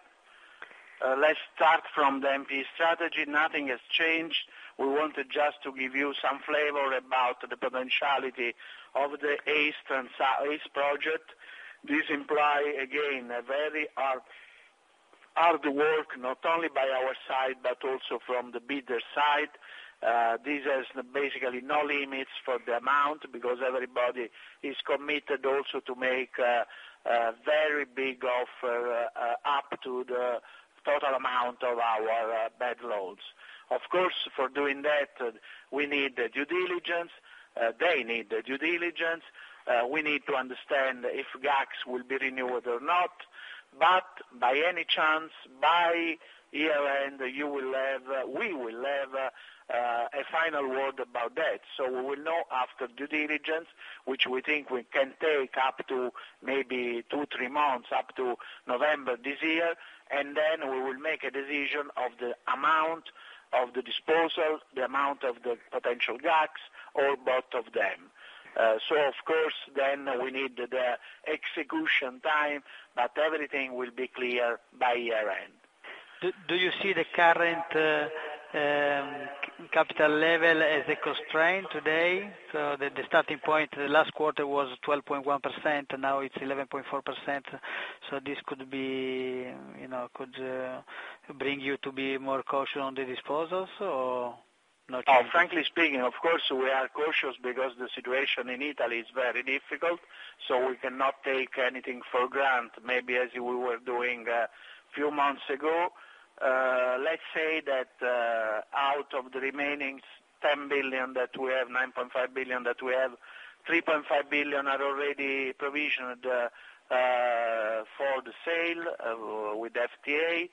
Let's start from the NP strategy. Nothing has changed. We wanted just to give you some flavor about the potentiality of the ACE project. This imply, again, a very hard work, not only by our side, but also from the bidder side. This has basically no limits for the amount because everybody is committed also to make a very big offer up to the total amount of our bad loans. Of course, for doing that, we need due diligence. They need due diligence. We need to understand if GACS will be renewed or not. By any chance, by year-end, we will have a final word about that. We will know after due diligence, which we think we can take up to maybe two, three months up to November this year, we will make a decision of the amount of the disposal, the amount of the potential GACS, or both of them. Of course, we need the execution time, but everything will be clear by year-end. Do you see the current capital level as a constraint today? The starting point the last quarter was 12.1%, now it's 11.4%. This could bring you to be more cautious on the disposals, or not really? Frankly speaking, of course, we are cautious because the situation in Italy is very difficult, we cannot take anything for granted, maybe as we were doing a few months ago. Let's say that out of the remaining 10 billion that we have, 9.5 billion that we have, 3.5 billion are already provisioned for the sale with [FDA].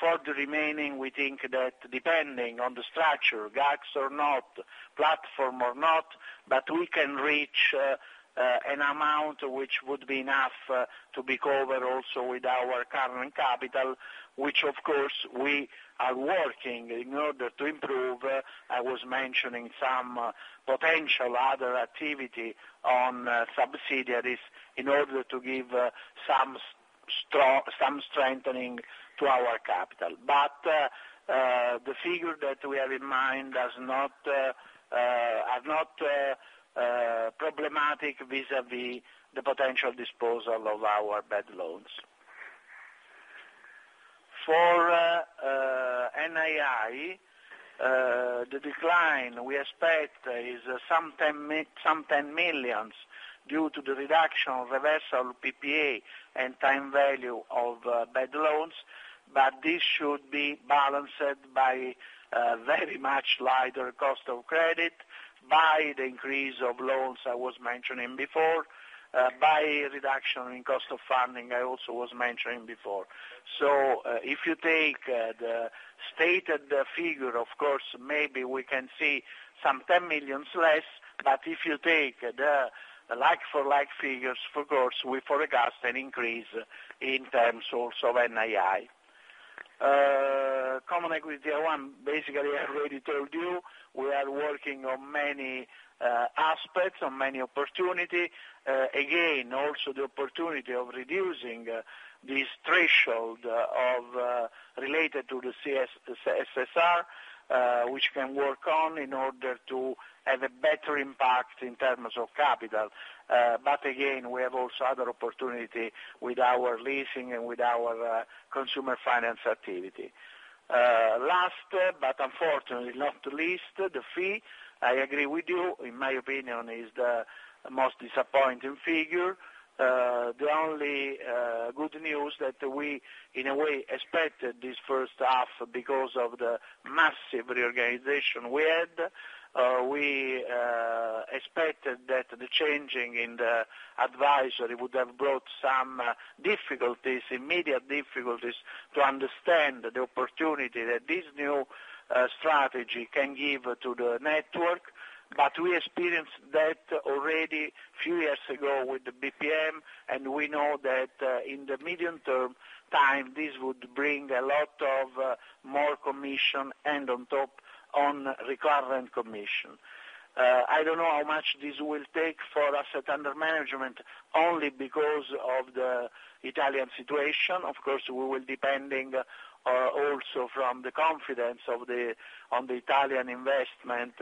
For the remaining, we think that depending on the structure, GACS or not, platform or not, we can reach an amount which would be enough to be covered also with our current capital, which of course, we are working in order to improve. I was mentioning some potential other activity on subsidiaries in order to give some strengthening to our capital. The figure that we have in mind are not problematic vis-à-vis the potential disposal of our bad loans. For NII, the decline we expect is some 10 million due to the reduction of reversal PPA and time value of bad loans, this should be balanced by a very much lighter cost of credit, by the increase of loans I was mentioning before, by reduction in cost of funding I also was mentioning before. If you take the stated figure, of course, maybe we can see some 10 million less, if you take the like for like figures, of course, we forecast an increase in terms also of NII. Common equity H1, basically, I already told you, we are working on many aspects, on many opportunity. Again, also the opportunity of reducing this threshold related to the CRR, which can work on in order to have a better impact in terms of capital. Again, we have also other opportunity with our leasing and with our consumer finance activity. Last, unfortunately not least, the fee. I agree with you. In my opinion, is the most disappointing figure. The only good news that we, in a way, expected this first half because of the massive reorganization we had. We expected that the changing in the advisory would have brought some immediate difficulties to understand the opportunity that this new strategy can give to the network. We experienced that already few years ago with the BPM, and we know that in the medium term time, this would bring a lot of more commission and on top on recurrent commission. I don't know how much this will take for asset under management, only because of the Italian situation. Of course, we will be depending also from the confidence on the Italian investment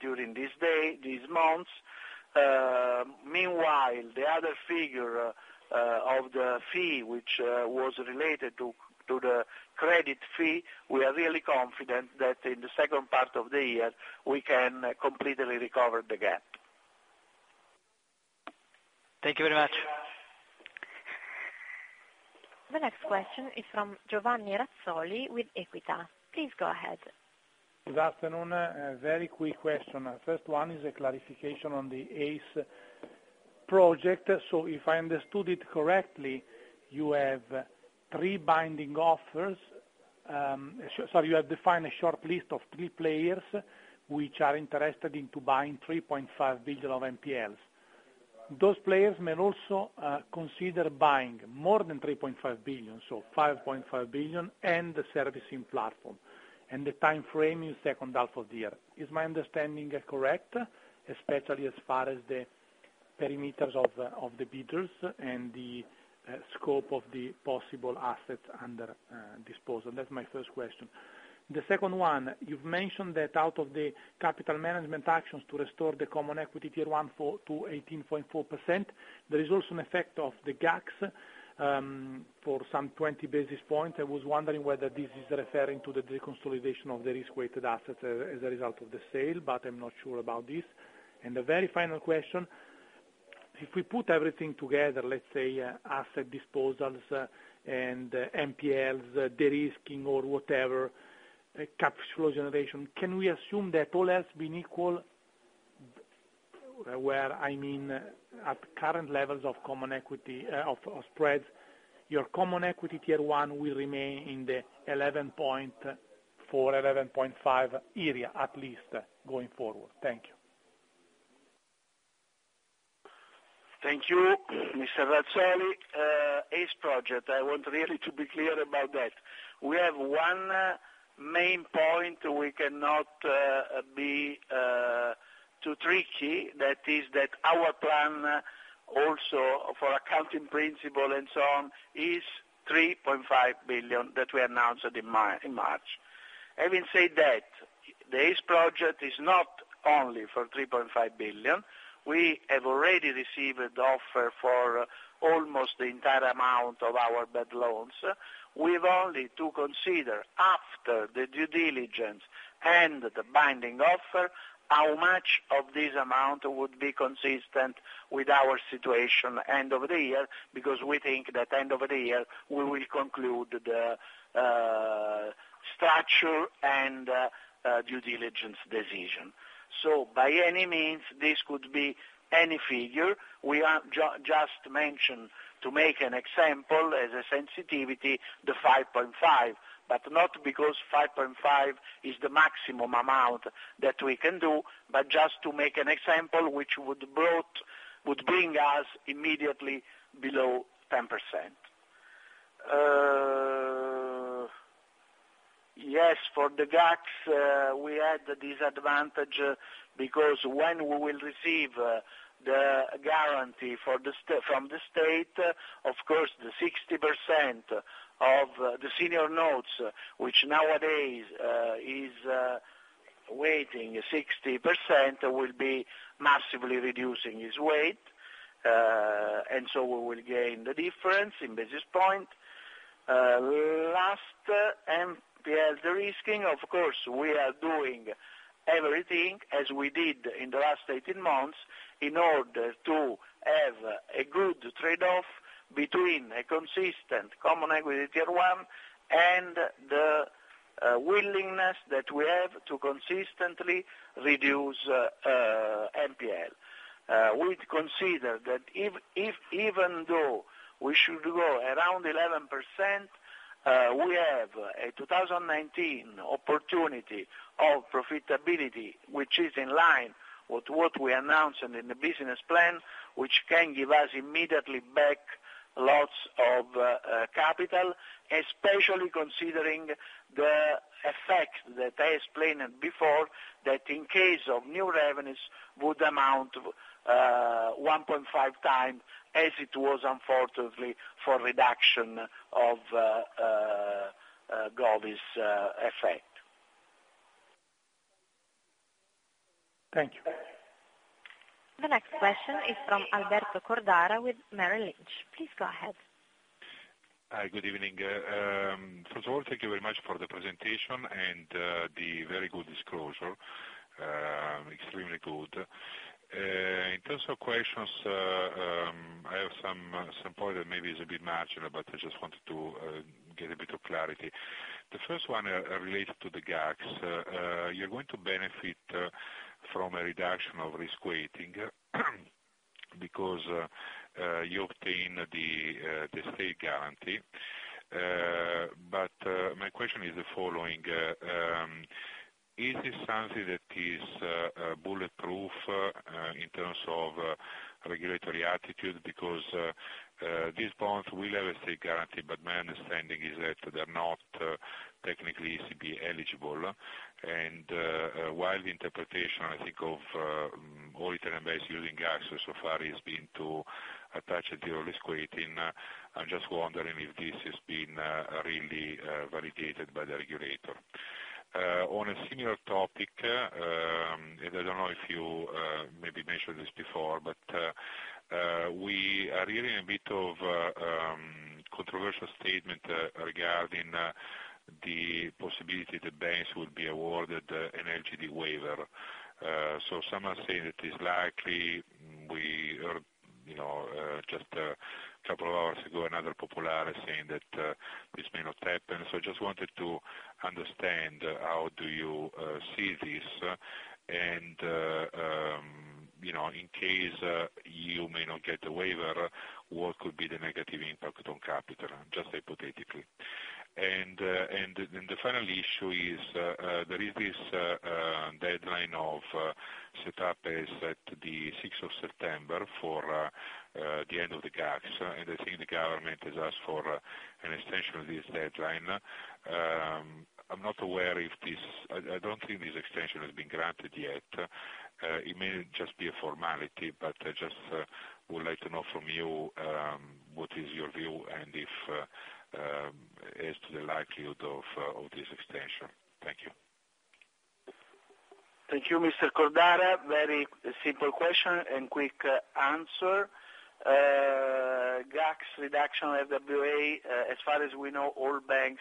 during these months. Meanwhile, the other figure of the fee, which was related to the credit fee, we are really confident that in the second part of the year, we can completely recover the gap. Thank you very much. The next question is from Giovanni Razzoli with Equita. Please go ahead. Good afternoon. A very quick question. First one is a clarification on the Project ACE. If I understood it correctly, you have three binding offers. Sorry, you have defined a short list of three players which are interested in buying 3.5 billion of NPLs. Those players may also consider buying more than 3.5 billion, 5.5 billion, and the servicing platform, and the timeframe is second half of the year. Is my understanding correct, especially as far as the perimeters of the bidders and the scope of the possible assets under disposal? That's my first question. The second one, you've mentioned that out of the capital management actions to restore the common equity tier 1 to 11.4%, there is also an effect of the GACS for some 20 basis points. I was wondering whether this is referring to the deconsolidation of the risk-weighted assets as a result of the sale, I'm not sure about this. The very final question, if we put everything together, let's say asset disposals and NPLs, de-risking or whatever, capital generation, can we assume that all else being equal, where at current levels of common equity of spreads, your common equity tier 1 will remain in the 11.4%, 11.5% area, at least going forward? Thank you. Thank you, Mr. Razzoli. Project ACE, I want really to be clear about that. We have one main point we cannot be too tricky, that is that our plan also for accounting principle and so on is 3.5 billion that we announced in March. Having said that, the Project ACE is not only for 3.5 billion. We have already received offer for almost the entire amount of our bad loans. We've only to consider after the due diligence and the binding offer, how much of this amount would be consistent with our situation end of the year, because we think that end of the year, we will conclude the structure and due diligence decision. By any means, this could be any figure. We have just mentioned to make an example as a sensitivity, the 5.5 billion. Not because 5.5 billion is the maximum amount that we can do, just to make an example, which would bring us immediately below 10%. For the GACS, we had the disadvantage because when we will receive the guarantee from the state, of course, the 60% of the senior notes, which nowadays is weighting 60%, will be massively reducing its weight. We will gain the difference in basis points. Last, NPL de-risking, of course, we are doing everything as we did in the last 18 months in order to have a good trade-off between a consistent common equity tier 1 and the willingness that we have to consistently reduce NPL. We consider that even though we should go around 11%, we have a 2019 opportunity of profitability, which is in line with what we announced in the business plan, which can give us immediately back lots of capital, especially considering the effect that I explained before, that in case of new revenues would amount 1.5 times as it was unfortunately for reduction of effect. Thank you. The next question is from Alberto Cordara with Merrill Lynch. Please go ahead. Hi, good evening. First of all, thank you very much for the presentation and the very good disclosure. Extremely good. In terms of questions, I have some point that maybe is a bit marginal, but I just wanted to get a bit of clarity. The first one related to the GACS. You're going to benefit from a reduction of risk weighting because you obtain the state guarantee. My question is the following. Is this something that is bulletproof in terms of regulatory attitude because these bonds will have a state guarantee, but my understanding is that they're not technically ECB eligible. While the interpretation, I think, of all Italian banks using GACS so far has been to attach zero risk weighting, I'm just wondering if this has been really validated by the regulator. On a similar topic, I don't know if you maybe mentioned this before, we are hearing a bit of controversial statement regarding the possibility that banks will be awarded an LGD waiver. Some are saying it is likely we heard Just a couple of hours ago, another Popolare saying that this may not happen. I just wanted to understand how do you see this, and in case you may not get the waiver, what could be the negative impact on capital, just hypothetically. The final issue is, there is this deadline of setup is set to the 6th of September for the end of the GACS, I think the government has asked for an extension of this deadline. I don't think this extension has been granted yet. It may just be a formality, I just would like to know from you what is your view, as to the likelihood of this extension. Thank you. Thank you, Mr. Cordara. Very simple question quick answer. GACS reduction RWA, as far as we know, all banks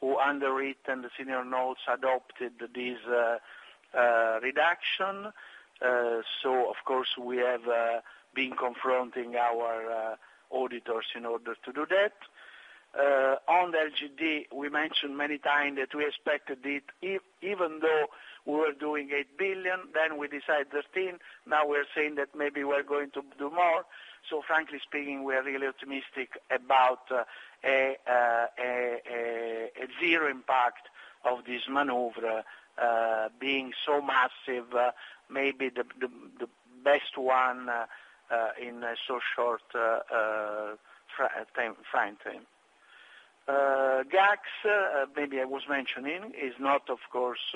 who underwritten the senior notes adopted this reduction. Of course we have been confronting our auditors in order to do that. On the LGD, we mentioned many times that we expected it, even though we were doing 8 billion, we decide 13 billion. We're saying that maybe we're going to do more. Frankly speaking, we are really optimistic about a zero impact of this maneuver being so massive, maybe the best one in a so short frame time. GACS, maybe I was mentioning, is not, of course,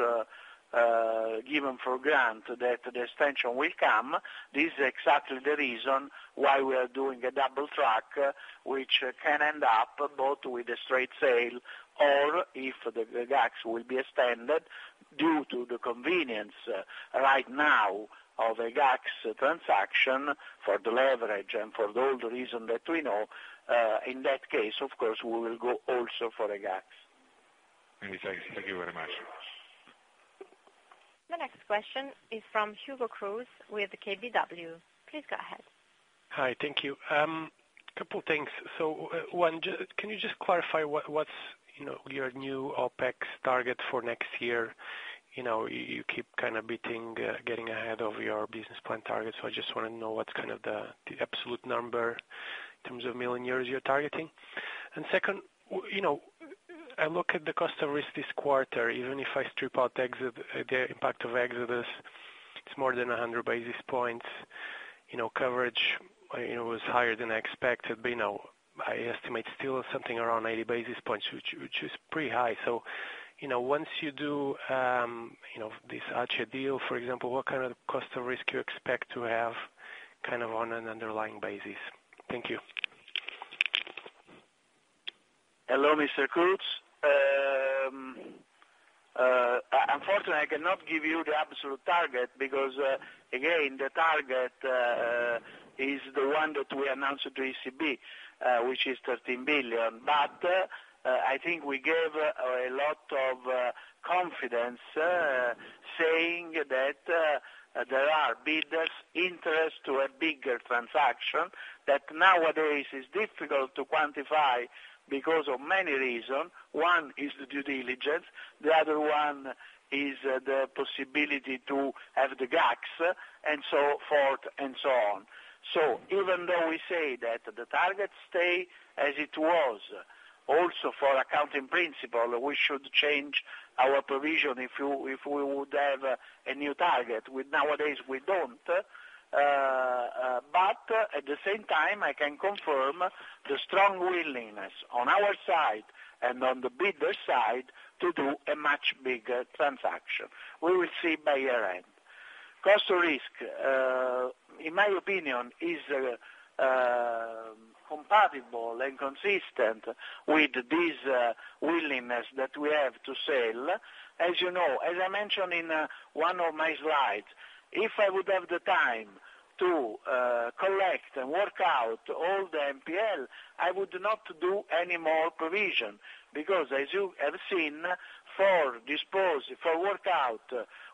given for granted that the extension will come. This is exactly the reason why we are doing a double track, which can end up both with a straight sale or if the GACS will be extended due to the convenience right now of a GACS transaction for the leverage and for all the reasons that we know. In that case, of course, we will go also for a GACS. Many thanks. Thank you very much. The next question is from Hugo Cruz with KBW. Please go ahead. Hi, thank you. One, can you just clarify what's your new OPEX target for next year? You keep getting ahead of your business plan target, so I just want to know what's the absolute number in terms of million you're targeting. Second, I look at the cost of risk this quarter, even if I strip out the impact of Exodus, it's more than 100 basis points. Coverage was higher than I expected, but I estimate still something around 80 basis points, which is pretty high. Once you do this ACE deal, for example, what kind of cost of risk you expect to have on an underlying basis? Thank you. Hello, Mr. Cruz. Unfortunately, I cannot give you the absolute target because, again, the target is the one that we announced to ECB, which is 13 billion. I think we gave a lot of confidence saying that there are bidders interest to a bigger transaction that nowadays is difficult to quantify because of many reason. One is the due diligence. The other one is the possibility to have the GACS and so forth and so on. Even though we say that the target stay as it was, also for accounting principle, we should change our provision if we would have a new target. Nowadays, we don't. At the same time, I can confirm the strong willingness on our side and on the bidder side to do a much bigger transaction. We will see by year-end. Cost of risk, in my opinion, is compatible and consistent with this willingness that we have to sell. As I mentioned in one of my slides, if I would have the time to collect and work out all the NPL, I would not do any more provision because as you have seen, for dispose, for work out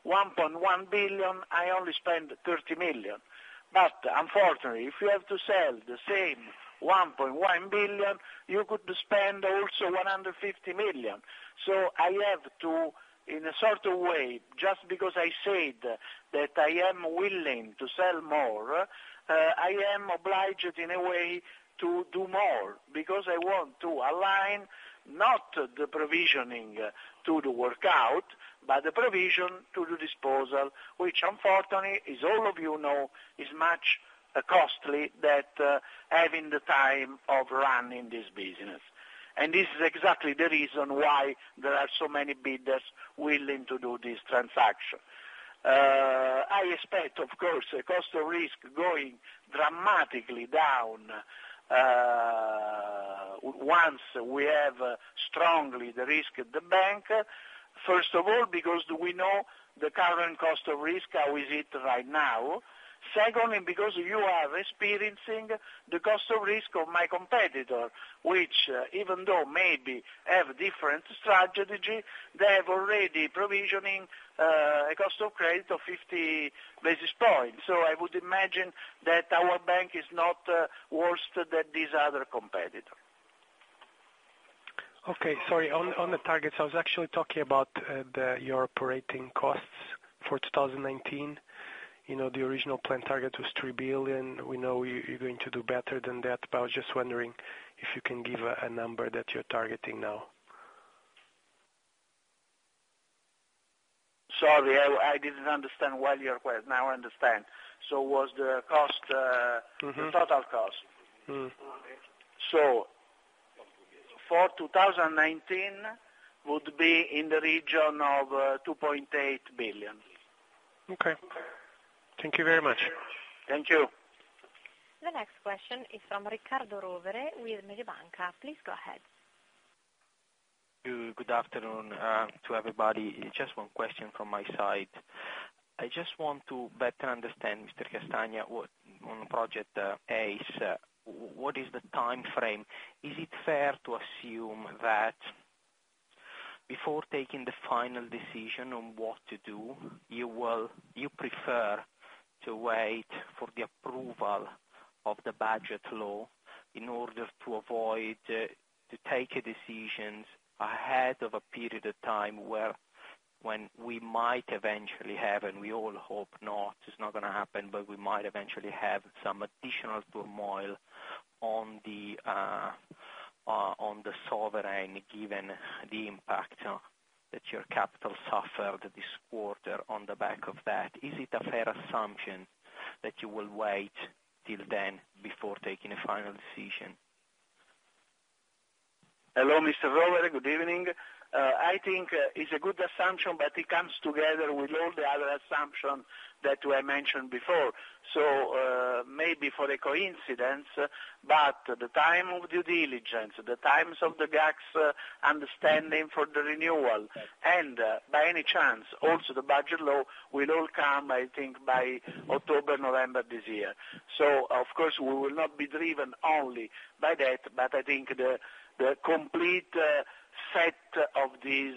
1.1 billion, I only spend 30 million. Unfortunately, if you have to sell the same 1.1 billion, you could spend also 150 million. I have to, in a certain way, just because I said that I am willing to sell more, I am obliged in a way to do more because I want to align not the provisioning to the workout, but the provision to the disposal, which unfortunately, as all of you know, is much costly that having the time of running this business. This is exactly the reason why there are so many bidders willing to do this transaction. I expect, of course, cost of risk going dramatically down once we have strongly de-risked the bank. First of all, because we know the current cost of risk, how is it right now. Secondly, because you are experiencing the cost of risk of my competitor, which even though maybe have different strategy, they have already provisioning a cost of credit of 50 basis points. I would imagine that our bank is not worse than these other competitor. Okay, sorry. On the targets, I was actually talking about your operating costs for 2019. The original plan target was 3 billion. We know you're going to do better than that, I was just wondering if you can give a number that you're targeting now. Sorry, I didn't understand well your question. Now I understand. It was the total cost. For 2019, would be in the region of 2.8 billion. Okay. Thank you very much. Thank you. The next question is from Riccardo Rovere with Mediobanca. Please go ahead. Good afternoon to everybody. Just one question from my side. I just want to better understand, Mr. Castagna, on the Project ACE, what is the timeframe? Is it fair to assume that before taking the final decision on what to do, you prefer to wait for the approval of the budget law in order to avoid to take decisions ahead of a period of time when we might eventually have, and we all hope not, it's not going to happen, but we might eventually have some additional turmoil on the sovereign, given the impact that your capital suffered this quarter on the back of that. Is it a fair assumption that you will wait till then before taking a final decision? Hello, Mr. Rovere. Good evening. I think it's a good assumption, but it comes together with all the other assumption that were mentioned before. Maybe for the coincidence, but the time of due diligence, the times of the GACS understanding for the renewal, and by any chance, also the budget law will all come, I think, by October, November this year. Of course, we will not be driven only by that, but I think the complete set of this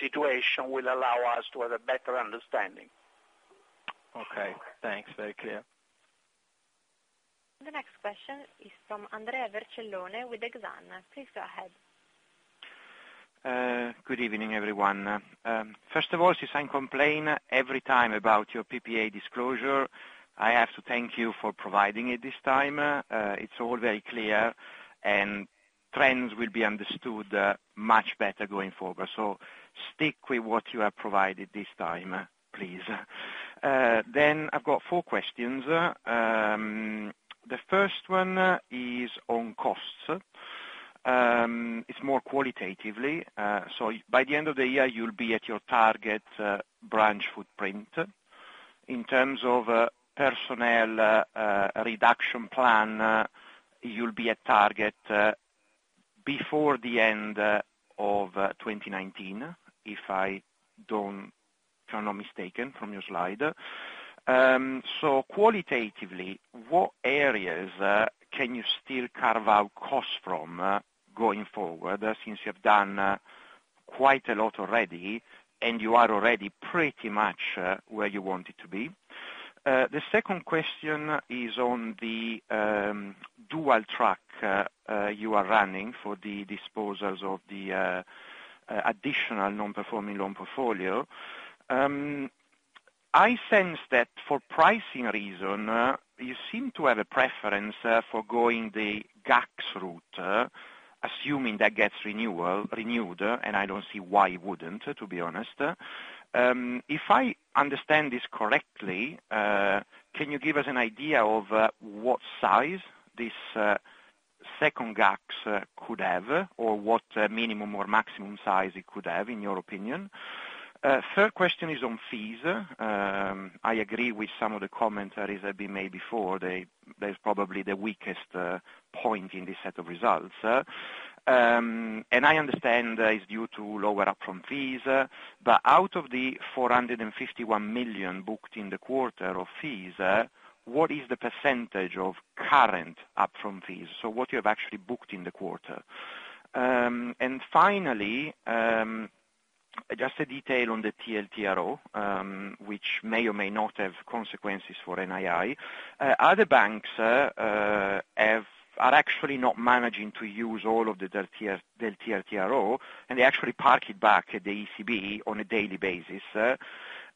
situation will allow us to have a better understanding. Okay, thanks. Very clear. The next question is from Andrea Vercellone with Exane. Please go ahead. Good evening, everyone. First of all, since I complain every time about your PPA disclosure, I have to thank you for providing it this time. It's all very clear, and trends will be understood much better going forward. Stick with what you have provided this time, please. I've got four questions. The first one is on costs. It's more qualitatively. By the end of the year, you'll be at your target branch footprint. In terms of personnel reduction plan, you'll be at target before the end of 2019, if I don't turn out mistaken from your slide. Qualitatively, what areas can you still carve out costs from going forward, since you have done quite a lot already, and you are already pretty much where you wanted to be? The second question is on the dual track you are running for the disposals of the additional non-performing loan portfolio. I sense that for pricing reason, you seem to have a preference for going the GACS route, assuming that gets renewed, and I don't see why it wouldn't, to be honest. If I understand this correctly, can you give us an idea of what size this second GACS could have, or what minimum or maximum size it could have, in your opinion? Third question is on fees. I agree with some of the commentaries that have been made before. That is probably the weakest point in this set of results. I understand that it's due to lower up-front fees. Out of the 451 million booked in the quarter of fees, what is the percentage of current up-front fees? What you have actually booked in the quarter. Finally, just a detail on the TLTRO, which may or may not have consequences for NII. Other banks are actually not managing to use all of the TLTRO, and they actually park it back at the ECB on a daily basis.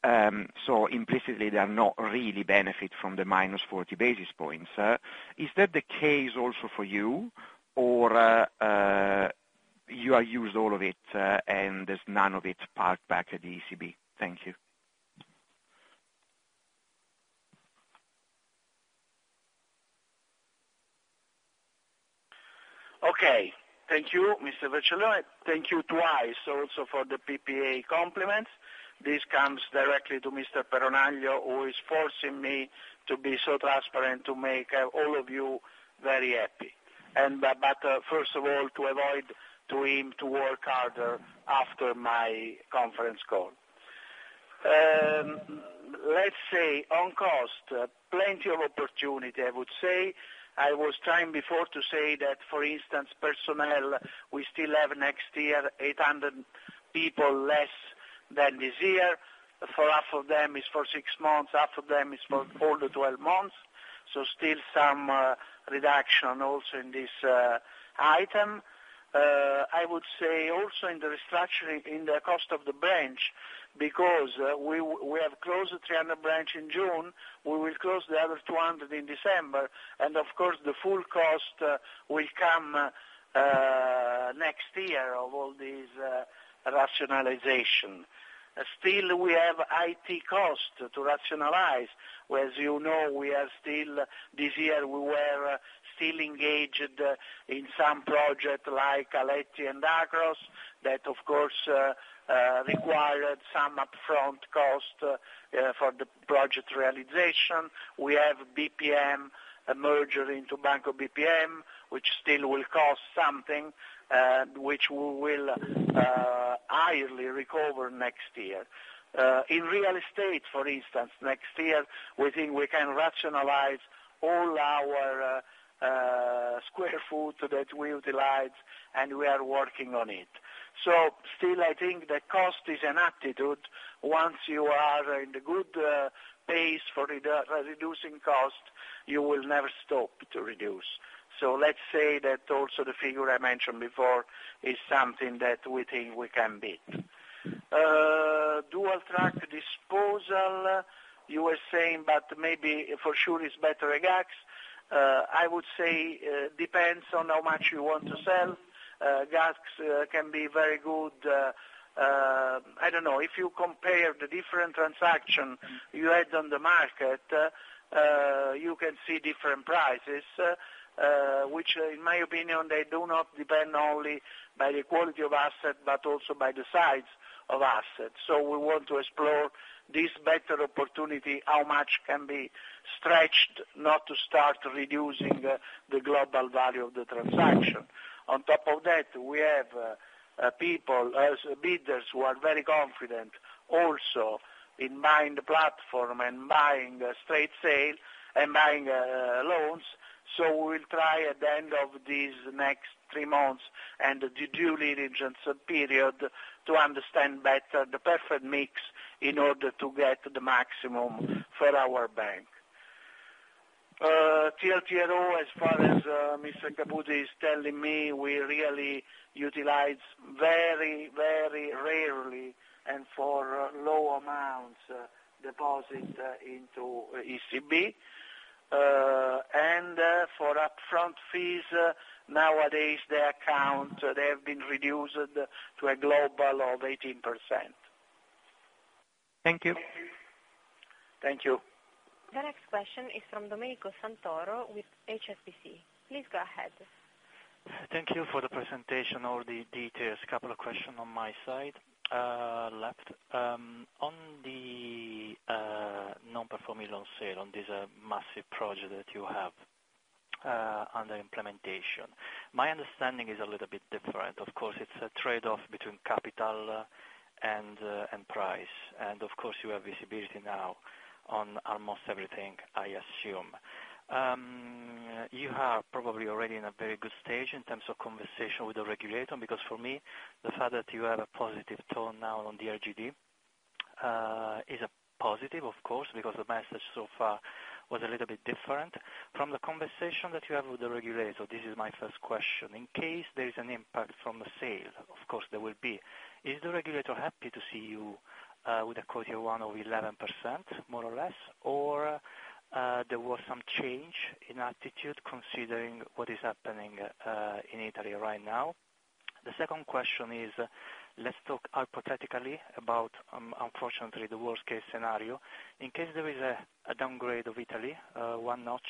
Implicitly, they are not really benefit from the minus 40 basis points. Is that the case also for you? You have used all of it, and there's none of it parked back at the ECB? Thank you. Okay. Thank you, Mr. Vercellone. Thank you twice, also for the PPA compliment. This comes directly to Mr. Peronaglio, who is forcing me to be so transparent to make all of you very happy. First of all, to avoid him to work harder after my conference call. Let's say on cost, plenty of opportunity, I would say. I was trying before to say that, for instance, personnel, we still have next year 800 people less than this year, for half of them, it's for six months, half of them it's for four to 12 months. Still some reduction also in this item. I would say also in the restructuring in the cost of the branch, because we have closed 300 branch in June, we will close the other 200 in December, of course, the full cost will come next year of all this rationalization. Still, we have IT cost to rationalize. As you know, this year, we were still engaged in some project like Aletti and Agos, that of course required some upfront cost for the project realization. We have BPM, a merger into Banco BPM, which still will cost something, which we will highly recover next year. In real estate, for instance, next year, we think we can rationalize all our square foot that we utilize, and we are working on it. Still, I think the cost is an attitude. Once you are in the good pace for reducing cost, you will never stop to reduce. Let's say that also the figure I mentioned before is something that we think we can beat. Dual-track disposal, you were saying, maybe for sure is better at GACS. I would say depends on how much you want to sell. GACS can be very good. I don't know. If you compare the different transaction you had on the market, you can see different prices, which, in my opinion, they do not depend only by the quality of asset, but also by the size of assets. We want to explore this better opportunity, how much can be stretched, not to start reducing the global value of the transaction. On top of that, we have people as bidders who are very confident also in buying the platform and buying straight sale and buying loans. We will try at the end of these next three months and the due diligence period to understand better the perfect mix in order to get the maximum for our bank. TLTRO, as far as Mr. Caputi is telling me, we really utilize very, very rarely and for low amounts deposit into ECB. For upfront fees, nowadays, their account, they have been reduced to a global of 18%. Thank you. Thank you. The next question is from Domenico Santoro with HSBC. Please go ahead. Thank you for the presentation, all the details. A couple of questions on my side left. On the non-performing loan sale, on this massive project that you have under implementation, my understanding is a little bit different. Of course, it's a trade-off between capital and price. Of course, you have visibility now on almost everything, I assume. You are probably already in a very good stage in terms of conversation with the regulator, because for me, the fact that you have a positive tone now on the LGD is a positive, of course, because the message so far was a little bit different. From the conversation that you have with the regulator, this is my first question. In case there is an impact from the sale, of course there will be, is the regulator happy to see you with a quarter one of 11%, more or less, or there was some change in attitude considering what is happening in Italy right now? The second question is, let's talk hypothetically about, unfortunately, the worst-case scenario. In case there is a downgrade of Italy, one notch,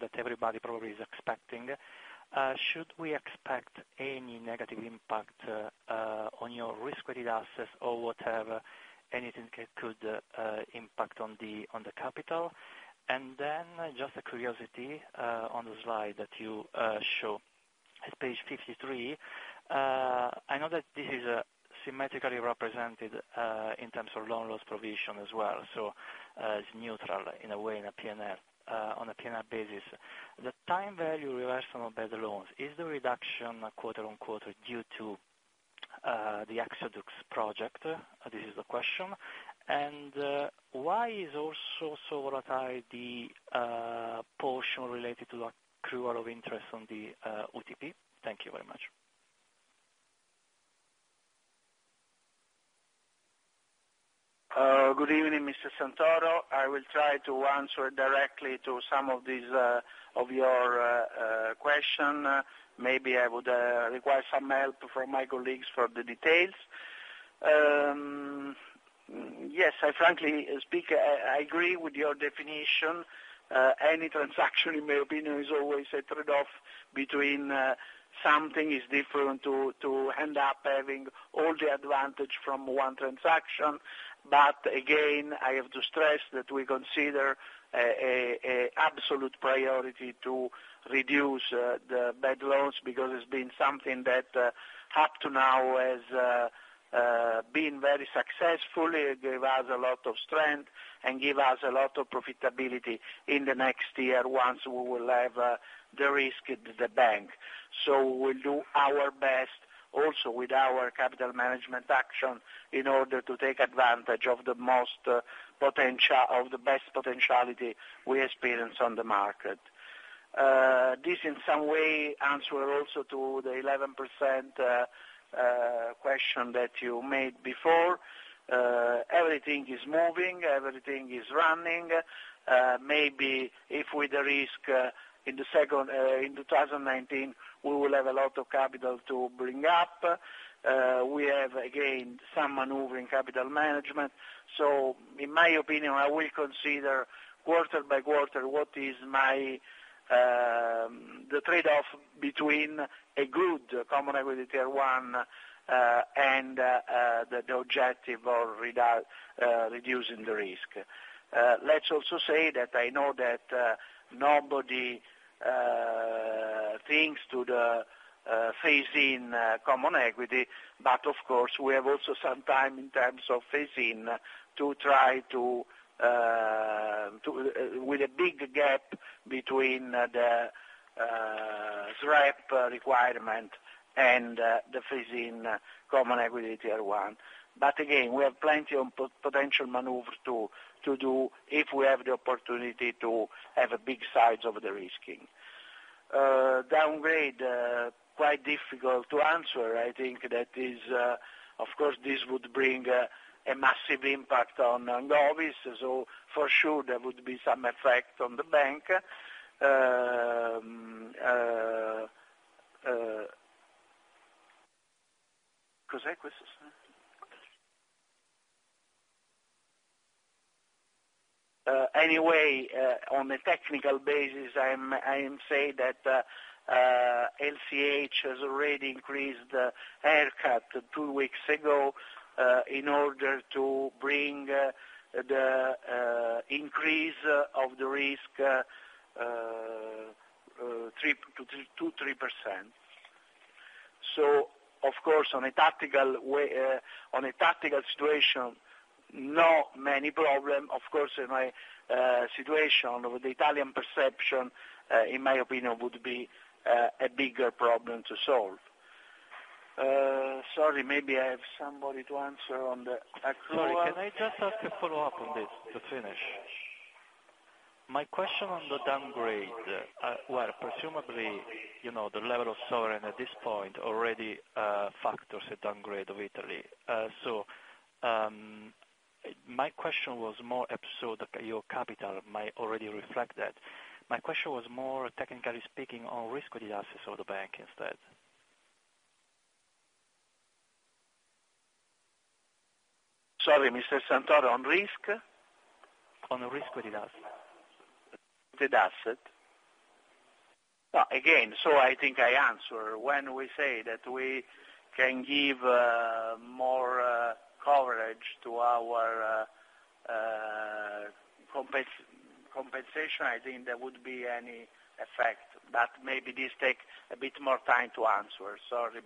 that everybody probably is expecting, should we expect any negative impact on your risk-weighted assets or whatever, anything could impact on the capital? Then just a curiosity on the slide that you show at page 53. I know that this is symmetrically represented in terms of loan loss provision as well, so it's neutral in a way on a P&L basis. The time value reversal on bad loans, is the reduction quarter on quarter due to the Project ACE? This is the question. Why is also so volatile the portion related to accrual of interest on the UTP? Thank you very much. Good evening, Mr. Santoro. I will try to answer directly to some of your question. Maybe I would require some help from my colleagues for the details. Yes, frankly speak, I agree with your definition. Any transaction, in my opinion, is always a trade-off between something is different to end up having all the advantage from one transaction. Again, I have to stress that we consider absolute priority to reduce the bad loans because it's been something that up to now has been very successful. It gave us a lot of strength and give us a lot of profitability in the next year once we will have de-risked the bank. We will do our best also with our capital management action in order to take advantage of the best potentiality we experience on the market. This, in some way, answers also to the 11% question that you made before. Everything is moving, everything is running. Maybe if with the risk, in 2019, we will have a lot of capital to bring up. We have, again, some maneuvering capital management. In my opinion, I will consider quarter by quarter what is the trade-off between a good common equity tier 1, and the objective of reducing the risk. Let's also say that I know that nobody thinks to the phase-in common equity, but of course, we have also some time in terms of phase-in to try to With a big gap between the SREP requirement and the phase-in common equity tier 1. Again, we have plenty of potential maneuver to do if we have the opportunity to have a big size of the risking. Downgrade, quite difficult to answer. I think that is, of course, this would bring a massive impact so for sure there would be some effect on the bank. Anyway, on a technical basis, I am saying that LCH has already increased the haircut two weeks ago, in order to bring the increase of the risk to 3%. Of course, on a tactical situation, not many problem. Of course, in my situation with the Italian perception, in my opinion, would be a bigger problem to solve. Sorry, maybe I have somebody to answer. Sorry, can I just ask a follow-up on this to finish? My question on the downgrade, where presumably the level of sovereign at this point already factors a downgrade of Italy. My question was more episode, your capital might already reflect that. My question was more technically speaking, on Risk-Weighted Assets of the bank instead. Sorry, Mr. Santoro. On risk? On Risk-Weighted Assets. Weighted asset? Again, I think I answer. When we say that we can give more coverage to our compensation, I think there would be any effect, but maybe this take a bit more time to answer. Sorry,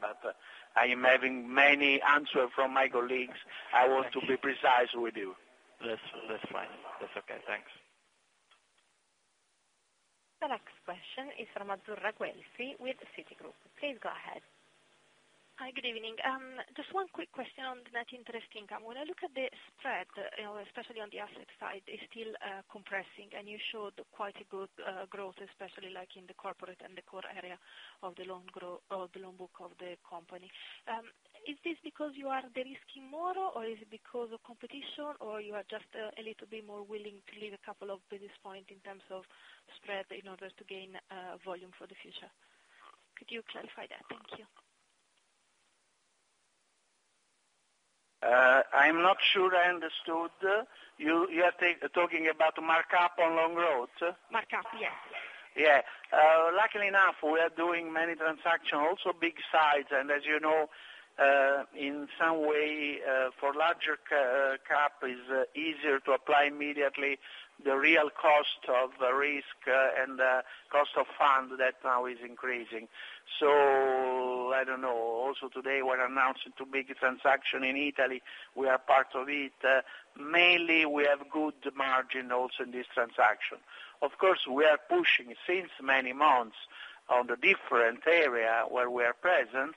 I am having many answer from my colleagues. I want to be precise with you. That's fine. That's okay, thanks. The next question is from Azzurra Guelfi with Citigroup. Please go ahead. Hi. Good evening. Just one quick question on net interest income. When I look at the spread, especially on the asset side, is still compressing, and you showed quite a good growth, especially like in the corporate and the core area of the loan book of the company. Is this because you are de-risking more, or is it because of competition, or you are just a little bit more willing to leave a couple of basis point in terms of spread in order to gain volume for the future? Could you clarify that? Thank you. I'm not sure I understood. You are talking about markup on loans? Markup, yes. Yeah. Luckily enough, we are doing many transactions, also big size, and as you know, in some way, for larger cap is easier to apply immediately the real cost of the risk and cost of funds that now is increasing. I don't know. Also today we are announcing two big transactions in Italy. We are part of it. Mainly we have good margin also in this transaction. Of course, we are pushing since many months on the different area where we are present,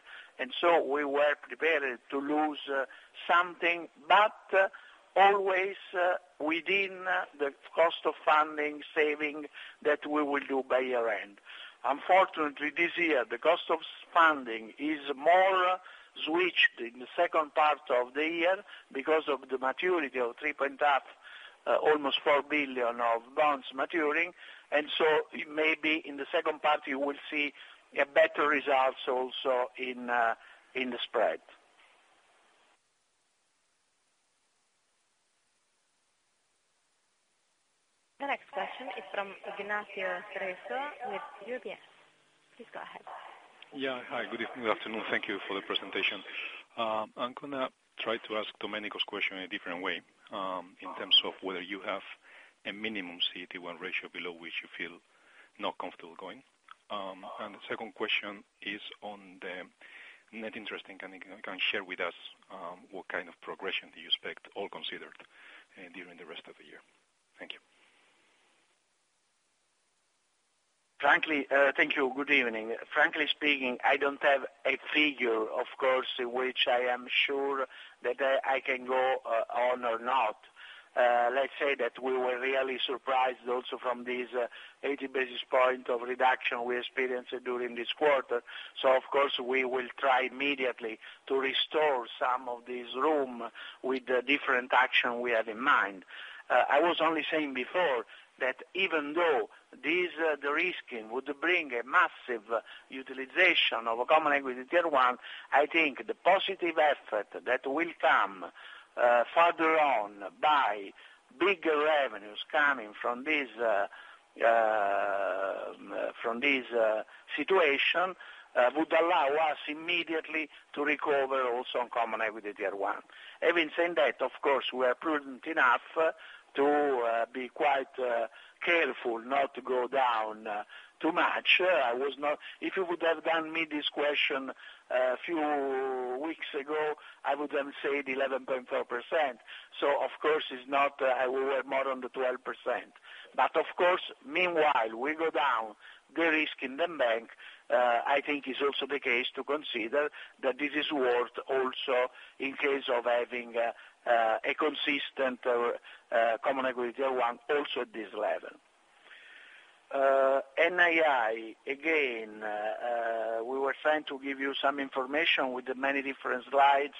we were prepared to lose something, but always within the cost of funding, saving, that we will do by year-end. Unfortunately, this year, the cost of funding is more switched in the second part of the year because of the maturity of 3.5, almost 4 billion of bonds maturing. Maybe in the second part you will see better results also in the spread. The next question is from Ignacio Cerezo with UBS. Please go ahead. Yeah. Hi, good evening, good afternoon. Thank you for the presentation. I am going to try to ask Domenico's question in a different way, in terms of whether you have a minimum CET1 ratio below which you feel not comfortable going. The second question is on the net interest income. Can you share with us what kind of progression do you expect, all considered, during the rest of the year? Thank you. Thank you. Good evening. Frankly speaking, I don't have a figure, of course, which I am sure that I can go on or not. We were really surprised also from this 80 basis points of reduction we experienced during this quarter. Of course, we will try immediately to restore some of this room with the different action we have in mind. I was only saying before that even though this de-risking would bring a massive utilization of Common Equity Tier One, I think the positive effort that will come further on by bigger revenues coming from this situation would allow us immediately to recover also on Common Equity Tier One. Having said that, of course, we are prudent enough to be quite careful not to go down too much. If you would have given me this question a few weeks ago, I wouldn't say the 11.4%. Of course, we were more on the 12%. Of course, meanwhile, we go down de-risking the bank, I think is also the case to consider that this is worth also in case of having a consistent Common Equity Tier One also at this level. NII, again, we were trying to give you some information with the many different slides,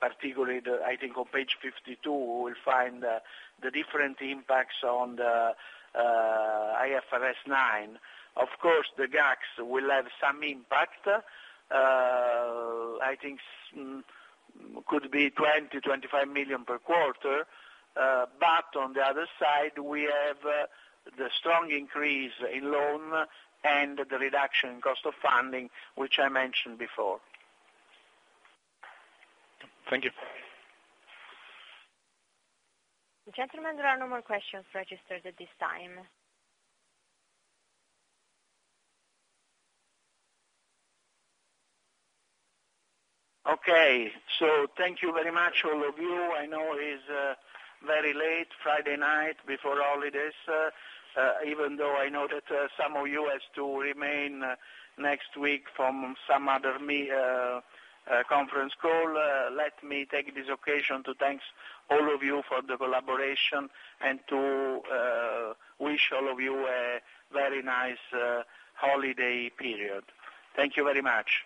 particularly I think on page 52, we will find the different impacts on the IFRS 9. Of course, the GACS will have some impact. I think could be 20 million-25 million per quarter. On the other side, we have the strong increase in loan and the reduction in cost of funding, which I mentioned before. Thank you. Gentlemen, there are no more questions registered at this time. Okay. Thank you very much all of you. I know it's very late, Friday night before holidays. Even though I know that some of you has to remain next week from some other conference call, let me take this occasion to thanks all of you for the collaboration and to wish all of you a very nice holiday period. Thank you very much.